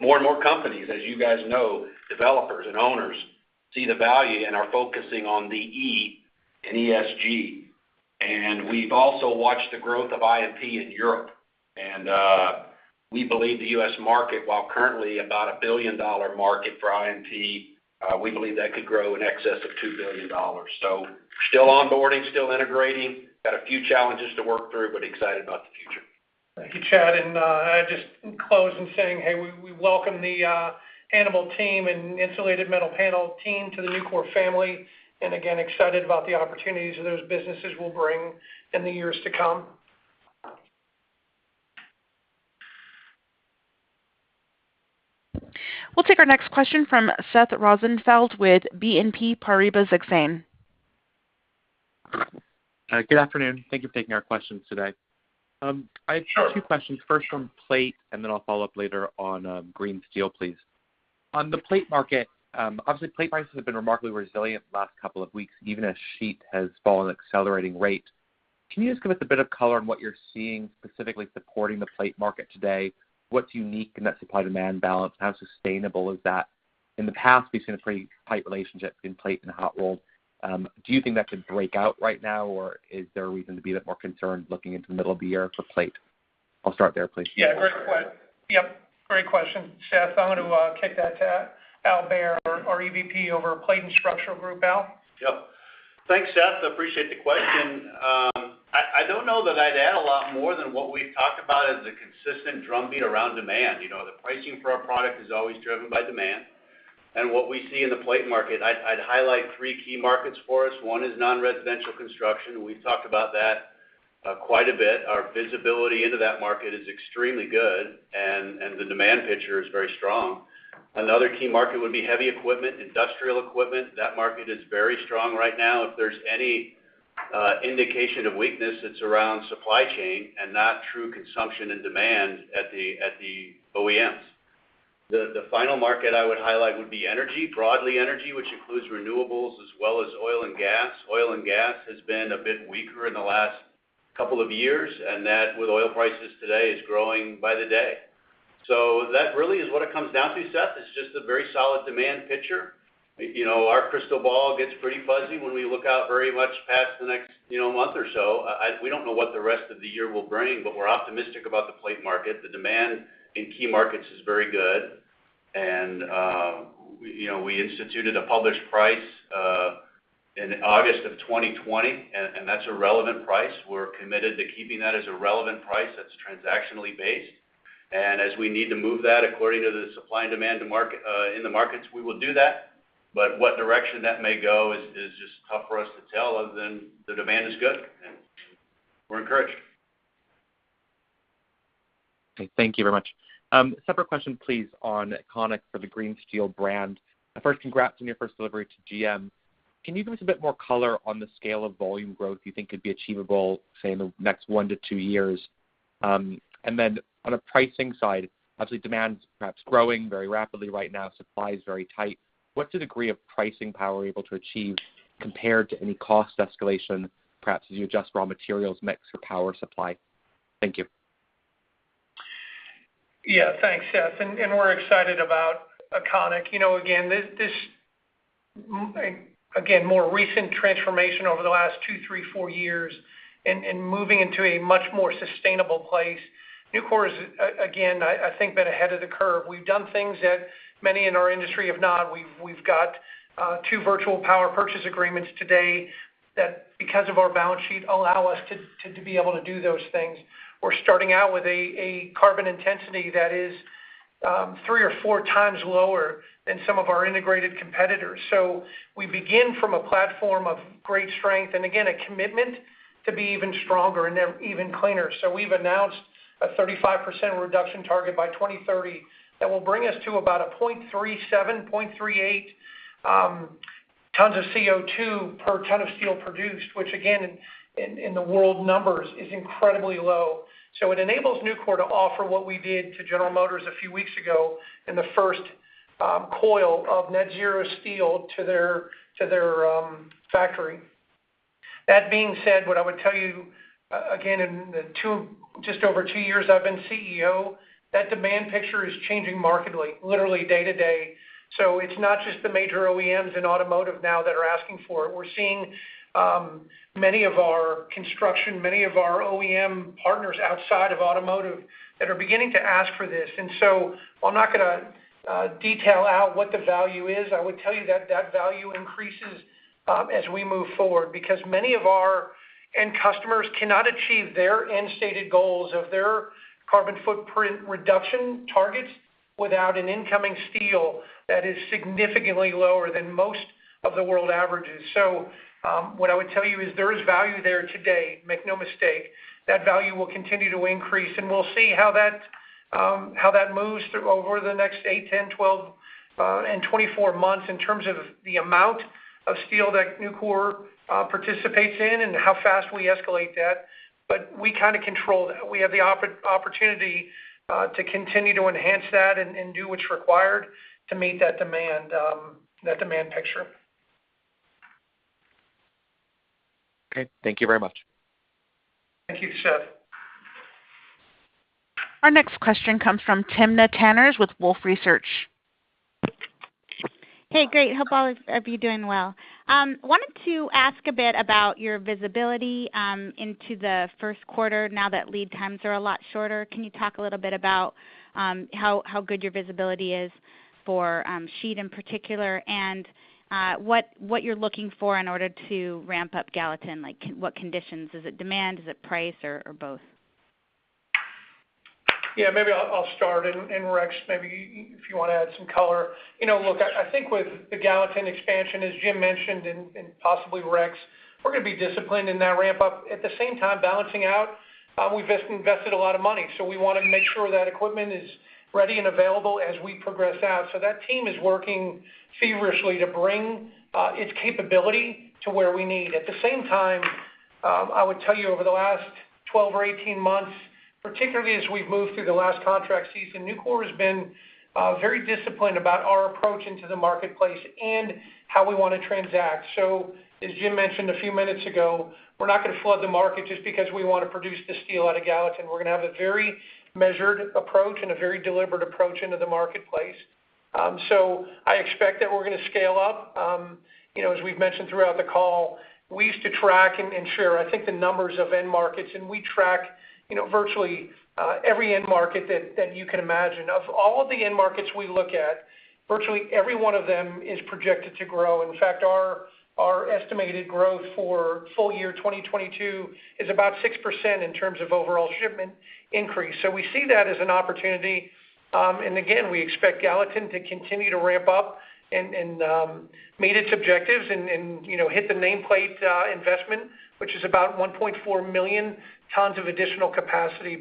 More and more companies, as you guys know, developers and owners see the value and are focusing on the E in ESG. We've also watched the growth of IMP in Europe. We believe the U.S. market, while currently about a $1 billion market for IMP, we believe that could grow in excess of $2 billion. Still onboarding, still integrating, got a few challenges to work through, but excited about the future. Thank you, Chad. I just close by saying, hey, we welcome the Hannibal team and Insulated Metal Panel team to the Nucor family, and again, excited about the opportunities those businesses will bring in the years to come. We'll take our next question from Seth Rosenfeld with BNP Paribas Exane. Good afternoon. Thank you for taking our questions today. I have two questions. First from plate, and then I'll follow up later on, green steel, please. On the plate market, obviously, plate prices have been remarkably resilient the last couple of weeks, even as sheet has fallen at accelerating rate. Can you just give us a bit of color on what you're seeing specifically supporting the plate market today? What's unique in that supply-demand balance? How sustainable is that? In the past, we've seen a pretty tight relationship between plate and hot rolled. Do you think that could break out right now, or is there a reason to be a bit more concerned looking into the middle of the year for plate? I'll start there, please. Yeah. Yep. Great question, Seth. I'm gonna kick that to Al Behr, our EVP over Plate and Structural Products. Al? Yep. Thanks, Seth. I appreciate the question. I don't know that I'd add a lot more than what we've talked about as the consistent drumbeat around demand. You know, the pricing for our product is always driven by demand. What we see in the plate market, I'd highlight three key markets for us. One is non-residential construction. We've talked about that quite a bit. Our visibility into that market is extremely good, and the demand picture is very strong. Another key market would be heavy equipment, industrial equipment. That market is very strong right now. If there's any indication of weakness, it's around supply chain and not true consumption and demand at the OEMs. The final market I would highlight would be energy, broadly energy, which includes renewables as well as oil and gas. Oil and gas has been a bit weaker in the last couple of years, and that, with oil prices today, is growing by the day. That really is what it comes down to, Seth. It's just a very solid demand picture. You know, our crystal ball gets pretty fuzzy when we look out very much past the next, you know, month or so. We don't know what the rest of the year will bring, but we're optimistic about the plate market. The demand in key markets is very good. You know, we instituted a published price in August of 2020, and that's a relevant price. We're committed to keeping that as a relevant price that's transactionally based. As we need to move that according to the supply and demand in the markets, we will do that. What direction that may go is just tough for us to tell other than the demand is good, and we're encouraged. Okay. Thank you very much. Separate question, please, on Econiq for the green steel brand. First, congrats on your first delivery to GM. Can you give us a bit more color on the scale of volume growth you think could be achievable, say, in the next one to two years? On a pricing side, obviously, demand's perhaps growing very rapidly right now. Supply is very tight. What's the degree of pricing power you're able to achieve compared to any cost escalation, perhaps as you adjust raw materials mix or power supply? Thank you. Yeah. Thanks, Seth. We're excited about Econiq. You know, again, this again, more recent transformation over the last two, three, four years and moving into a much more sustainable place. Nucor is again, I think been ahead of the curve. We've done things that many in our industry have not. We've got two virtual power purchase agreements today that, because of our balance sheet, allow us to be able to do those things. We're starting out with a carbon intensity that is three or four times lower than some of our integrated competitors. We begin from a platform of great strength and again, a commitment to be even stronger and even cleaner. We've announced a 35% reduction target by 2030 that will bring us to about 0.37, 0.38 tons of CO2 per ton of steel produced, which again, in the world numbers is incredibly low. It enables Nucor to offer what we did to General Motors a few weeks ago in the first coil of net zero steel to their factory. That being said, what I would tell you, again, in just over two years I've been CEO, that demand picture is changing markedly, literally day to day. It's not just the major OEMs in automotive now that are asking for it. We're seeing many of our construction, many of our OEM partners outside of automotive that are beginning to ask for this. While I'm not gonna detail out what the value is, I would tell you that that value increases as we move forward because many of our end customers cannot achieve their end stated goals of their carbon footprint reduction targets without an incoming steel that is significantly lower than most of the world averages. What I would tell you is there is value there today. Make no mistake. That value will continue to increase, and we'll see how that moves through over the next eight, 10, 12, and 24 months in terms of the amount of steel that Nucor participates in and how fast we escalate that. We kind of control that. We have the opportunity to continue to enhance that and do what's required to meet that demand, that demand picture. Okay. Thank you very much. Thank you, Seth. Our next question comes from Timna Tanners with Wolfe Research. Hey, great. Hope all of you are doing well. Wanted to ask a bit about your visibility into the first quarter now that lead times are a lot shorter. Can you talk a little bit about how good your visibility is for sheet in particular and what you're looking for in order to ramp up Gallatin? Like, what conditions? Is it demand? Is it price, or both? Yeah, maybe I'll start, and Rex, maybe if you want to add some color. You know, look, I think with the Gallatin expansion, as Jim mentioned, and possibly Rex, we're gonna be disciplined in that ramp up. At the same time, balancing out, we've invested a lot of money, so we wanna make sure that equipment is ready and available as we progress out. So that team is working feverishly to bring its capability to where we need. At the same time, I would tell you over the last 12 or 18 months, particularly as we've moved through the last contract season, Nucor has been very disciplined about our approach into the marketplace and how we wanna transact. As Jim mentioned a few minutes ago, we're not gonna flood the market just because we want to produce the steel out of Gallatin. We're gonna have a very measured approach and a very deliberate approach into the marketplace. I expect that we're gonna scale up. You know, as we've mentioned throughout the call, we used to track and share, I think, the numbers of end markets, and we track, you know, virtually, every end market that you can imagine. Of all of the end markets we look at, virtually every one of them is projected to grow. In fact, our estimated growth for full year 2022 is about 6% in terms of overall shipment increase. We see that as an opportunity. We expect Gallatin to continue to ramp up and meet its objectives and you know, hit the nameplate investment, which is about 1.4 million tons of additional capacity.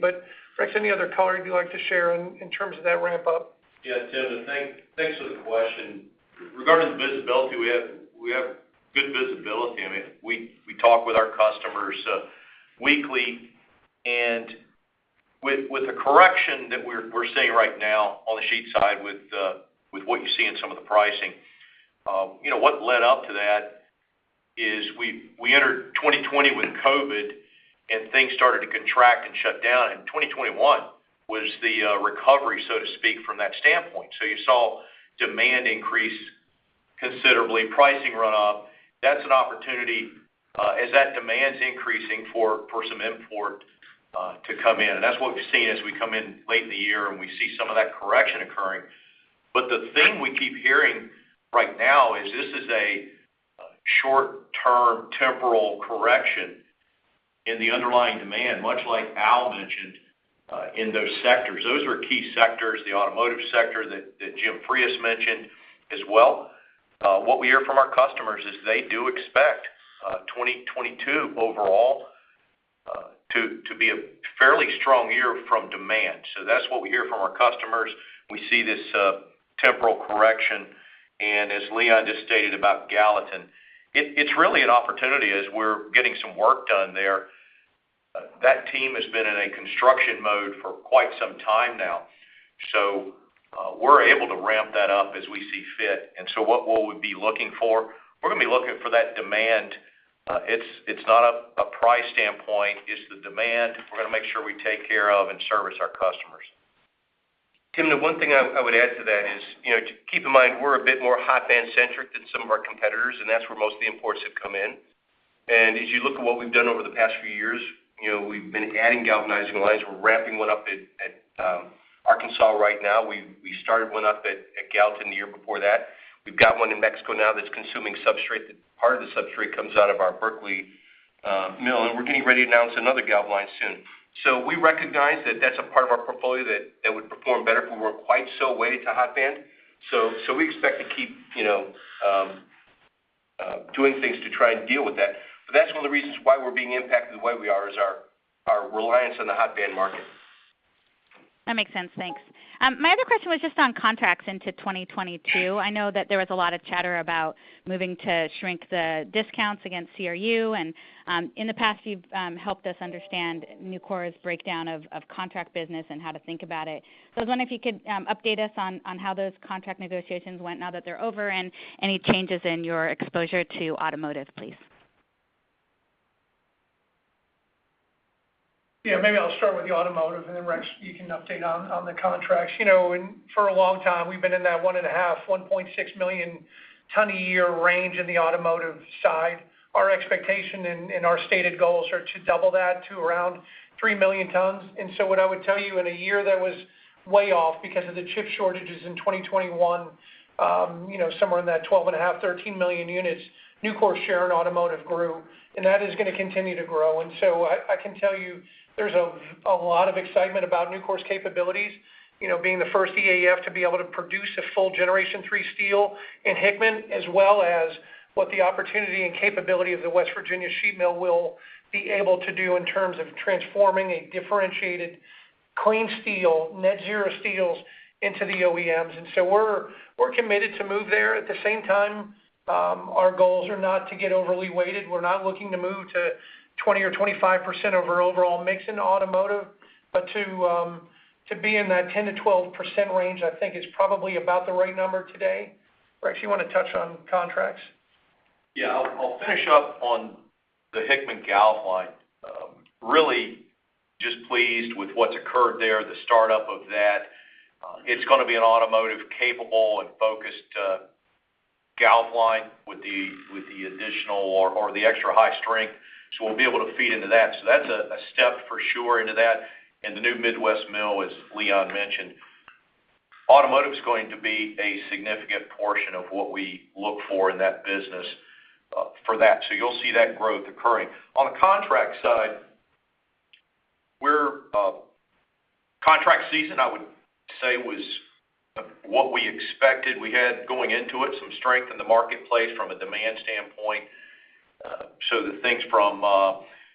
Rex, any other color you'd like to share in terms of that ramp up? Yeah. Timna, thanks for the question. Regarding the visibility, we have good visibility. I mean, we talk with our customers weekly. With the correction that we're seeing right now on the sheet side with what you see in some of the pricing, you know, what led up to that is we entered 2020 with COVID and things started to contract and shut down. 2021 was the recovery, so to speak, from that standpoint. You saw demand increase considerably, pricing run up. That's an opportunity as that demand's increasing for some import to come in. That's what we've seen as we come in late in the year and we see some of that correction occurring. The thing we keep hearing right now is this is a short-term temporal correction in the underlying demand, much like Al mentioned, in those sectors. Those are key sectors, the automotive sector that Jim Frias mentioned as well. What we hear from our customers is they do expect 2022 overall to be a fairly strong year from demand. That's what we hear from our customers. We see this temporal correction. As Leon just stated about Gallatin, it's really an opportunity as we're getting some work done there. That team has been in a construction mode for quite some time now. We're able to ramp that up as we see fit. We're gonna be looking for that demand. It's not a price standpoint. It's the demand. We're gonna make sure we take care of and service our customers. Timna, one thing I would add to that is, you know, keep in mind, we're a bit more hot band centric than some of our competitors, and that's where most of the imports have come in. As you look at what we've done over the past few years, you know, we've been adding galvanizing lines. We're ramping one up at Arkansas right now. We started one up at Gallatin the year before that. We've got one in Mexico now that's consuming substrate. Part of the substrate comes out of our Berkeley mill, we're getting ready to announce another galv line soon. We recognize that that's a part of our portfolio that would perform better if we weren't quite so weighted to hot band. We expect to keep doing things to try and deal with that. That's one of the reasons why we're being impacted the way we are, is our reliance on the hot band market. That makes sense. Thanks. My other question was just on contracts into 2022. I know that there was a lot of chatter about moving to shrink the discounts against CRU. In the past, you've helped us understand Nucor's breakdown of contract business and how to think about it. I was wondering if you could update us on how those contract negotiations went now that they're over and any changes in your exposure to automotive, please. Yeah. Maybe I'll start with the automotive, and then Rex, you can update on the contracts. You know, for a long time, we've been in that 1.5 million-1.6 million ton a year range in the automotive side. Our expectation and our stated goals are to double that to around 3 million tons. What I would tell you, in a year that was way off because of the chip shortages in 2021, you know, somewhere in that 12.5 million-13 million units, Nucor's share in automotive grew, and that is gonna continue to grow. I can tell you there's a lot of excitement about Nucor's capabilities, you know, being the first EAF to be able to produce a full Generation 3 steel in Hickman, as well as what the opportunity and capability of the West Virginia sheet mill will be able to do in terms of transforming a differentiated clean steel, net zero steels into the OEMs. We're committed to move there. At the same time, our goals are not to get overly weighted. We're not looking to move to 20% or 25% of our overall mix into automotive. To be in that 10%-12% range, I think is probably about the right number today. Rex, you wanna touch on contracts? I'll finish up on the Hickman galv line. Really just pleased with what's occurred there, the start-up of that. It's gonna be an automotive capable and focused galv line with the additional or the extra high strength. We'll be able to feed into that. That's a step for sure into that. The new Midwest mill, as Leon mentioned, automotive's going to be a significant portion of what we look for in that business for that. You'll see that growth occurring. On the contract side, contract season I would say was what we expected. We had going into it some strength in the marketplace from a demand standpoint. The things from,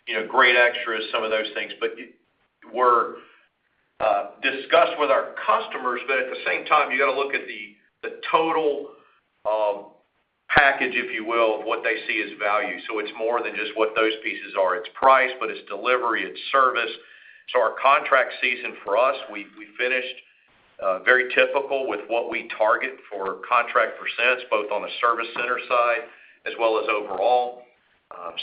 you know, Grade extras, some of those things. It were discussed with our customers, but at the same time, you gotta look at the total package, if you will, of what they see as value. It's more than just what those pieces are. It's price, but it's delivery, it's service. Our contract season for us, we finished very typical with what we target for contract percents, both on the service center side as well as overall.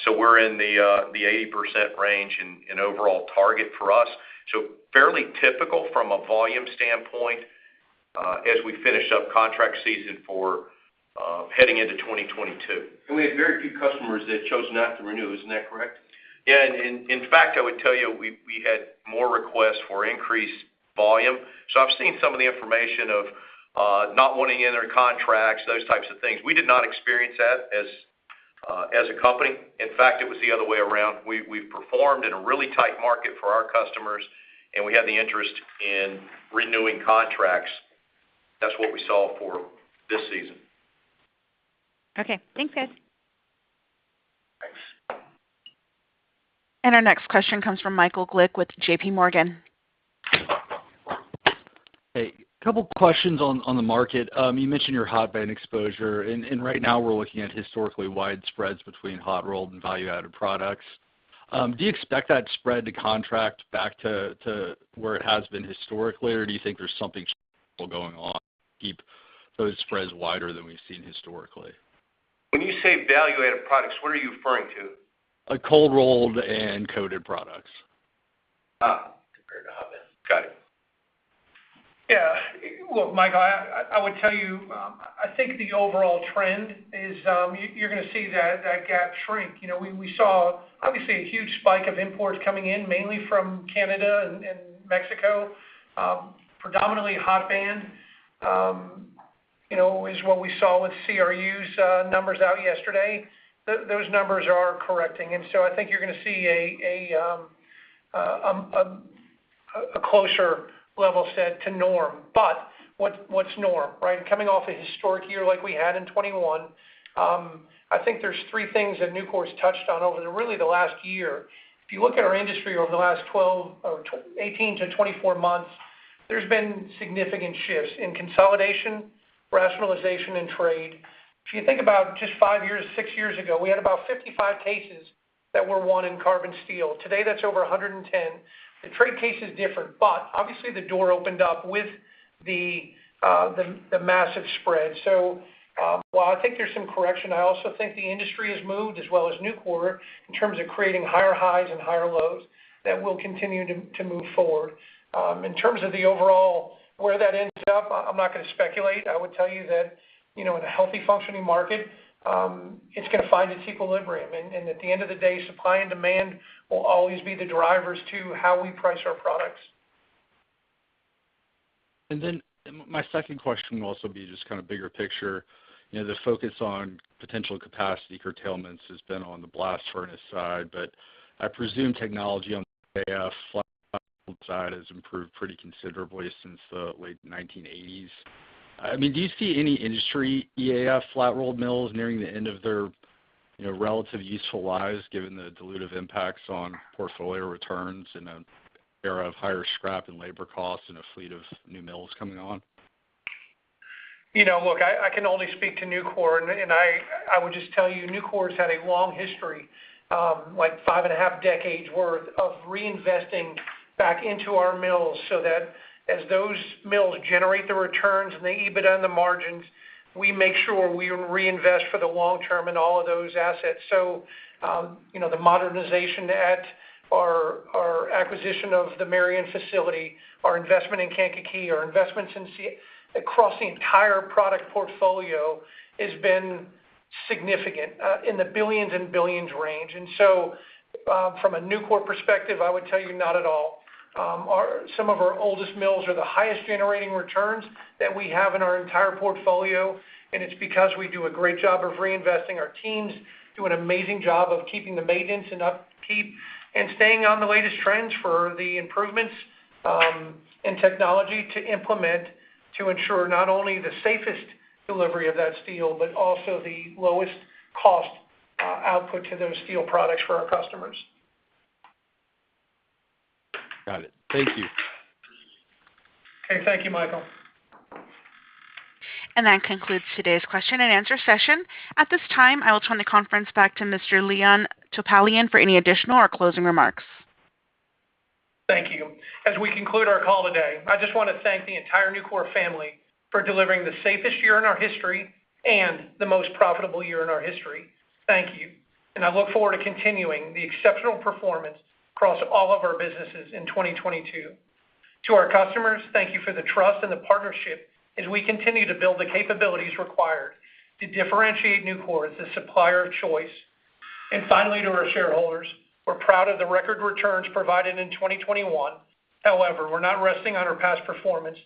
We're in the 80% range in overall target for us. Fairly typical from a volume standpoint, as we finish up contract season for heading into 2022. We had very few customers that chose not to renew. Isn't that correct? Yeah. In fact, I would tell you, we had more requests for increased volume. I've seen some of the information of not wanting to enter contracts, those types of things. We did not experience that as a company. In fact, it was the other way around. We've performed in a really tight market for our customers, and we had the interest in renewing contracts. That's what we saw for this season. Okay. Thanks, guys. Thanks. Our next question comes from Michael Glick with J.P. Morgan. Hey. A couple questions on the market. You mentioned your hot band exposure. Right now we're looking at historically wide spreads between hot rolled and value-added products. Do you expect that spread to contract back to where it has been historically, or do you think there's something structural going on to keep those spreads wider than we've seen historically? When you say value-added products, what are you referring to? Cold rolled and coated products. Ah. Compared to hot band. Got it. Yeah. Look, Michael, I would tell you, I think the overall trend is, you're gonna see that gap shrink. You know, we saw obviously a huge spike of imports coming in, mainly from Canada and Mexico. Predominantly hot band, you know, is what we saw with CRU's numbers out yesterday. Those numbers are correcting, and so I think you're gonna see a closer level set to norm. But what's norm, right? Coming off a historic year like we had in 2021, I think there's three things that Nucor's touched on over really the last year. If you look at our industry over the last 12 or 18 to 24 months, there's been significant shifts in consolidation, rationalization, and trade. If you think about just five years, six years ago, we had about 55 cases that were won in carbon steel. Today, that's over 110. The trade case is different, but obviously the door opened up with the massive spread. While I think there's some correction, I also think the industry has moved as well as Nucor in terms of creating higher highs and higher lows that will continue to move forward. In terms of the overall, where that ends up, I'm not gonna speculate. I would tell you that, you know, in a healthy functioning market, it's gonna find its equilibrium. At the end of the day, supply and demand will always be the drivers to how we price our products. My second question will also be just kind of bigger picture. You know, the focus on potential capacity curtailments has been on the blast furnace side, but I presume technology on the EAF side has improved pretty considerably since the late 1980s. I mean, do you see any industry EAF flat-rolled mills nearing the end of their, you know, relative useful lives, given the dilutive impacts on portfolio returns in an era of higher scrap and labor costs and a fleet of new mills coming on? You know, look, I can only speak to Nucor, and I would just tell you, Nucor's had a long history, like five and a half decades worth of reinvesting back into our mills so that as those mills generate the returns and the EBITDA and the margins, we make sure we reinvest for the long term in all of those assets. You know, the modernization at our acquisition of the Marion facility, our investment in Kankakee, our investments across the entire product portfolio has been significant, in the billions and billions range. From a Nucor perspective, I would tell you, not at all. Some of our oldest mills are the highest generating returns that we have in our entire portfolio, and it's because we do a great job of reinvesting. Our teams do an amazing job of keeping the maintenance and upkeep and staying on the latest trends for the improvements in technology to implement to ensure not only the safest delivery of that steel, but also the lowest cost output to those steel products for our customers. Got it. Thank you. Okay. Thank you, Michael. That concludes today's question and answer session. At this time, I will turn the conference back to Mr. Leon Topalian for any additional or closing remarks. Thank you. As we conclude our call today, I just wanna thank the entire Nucor family for delivering the safest year in our history and the most profitable year in our history. Thank you. I look forward to continuing the exceptional performance across all of our businesses in 2022. To our customers, thank you for the trust and the partnership as we continue to build the capabilities required to differentiate Nucor as the supplier of choice. Finally, to our shareholders, we're proud of the record returns provided in 2021. However, we're not resting on our past performance.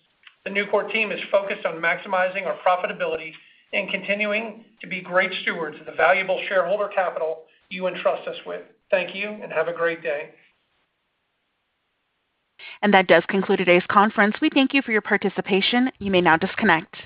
The Nucor team is focused on maximizing our profitability and continuing to be great stewards of the valuable shareholder capital you entrust us with. Thank you, and have a great day. That does conclude today's conference. We thank you for your participation. You may now disconnect.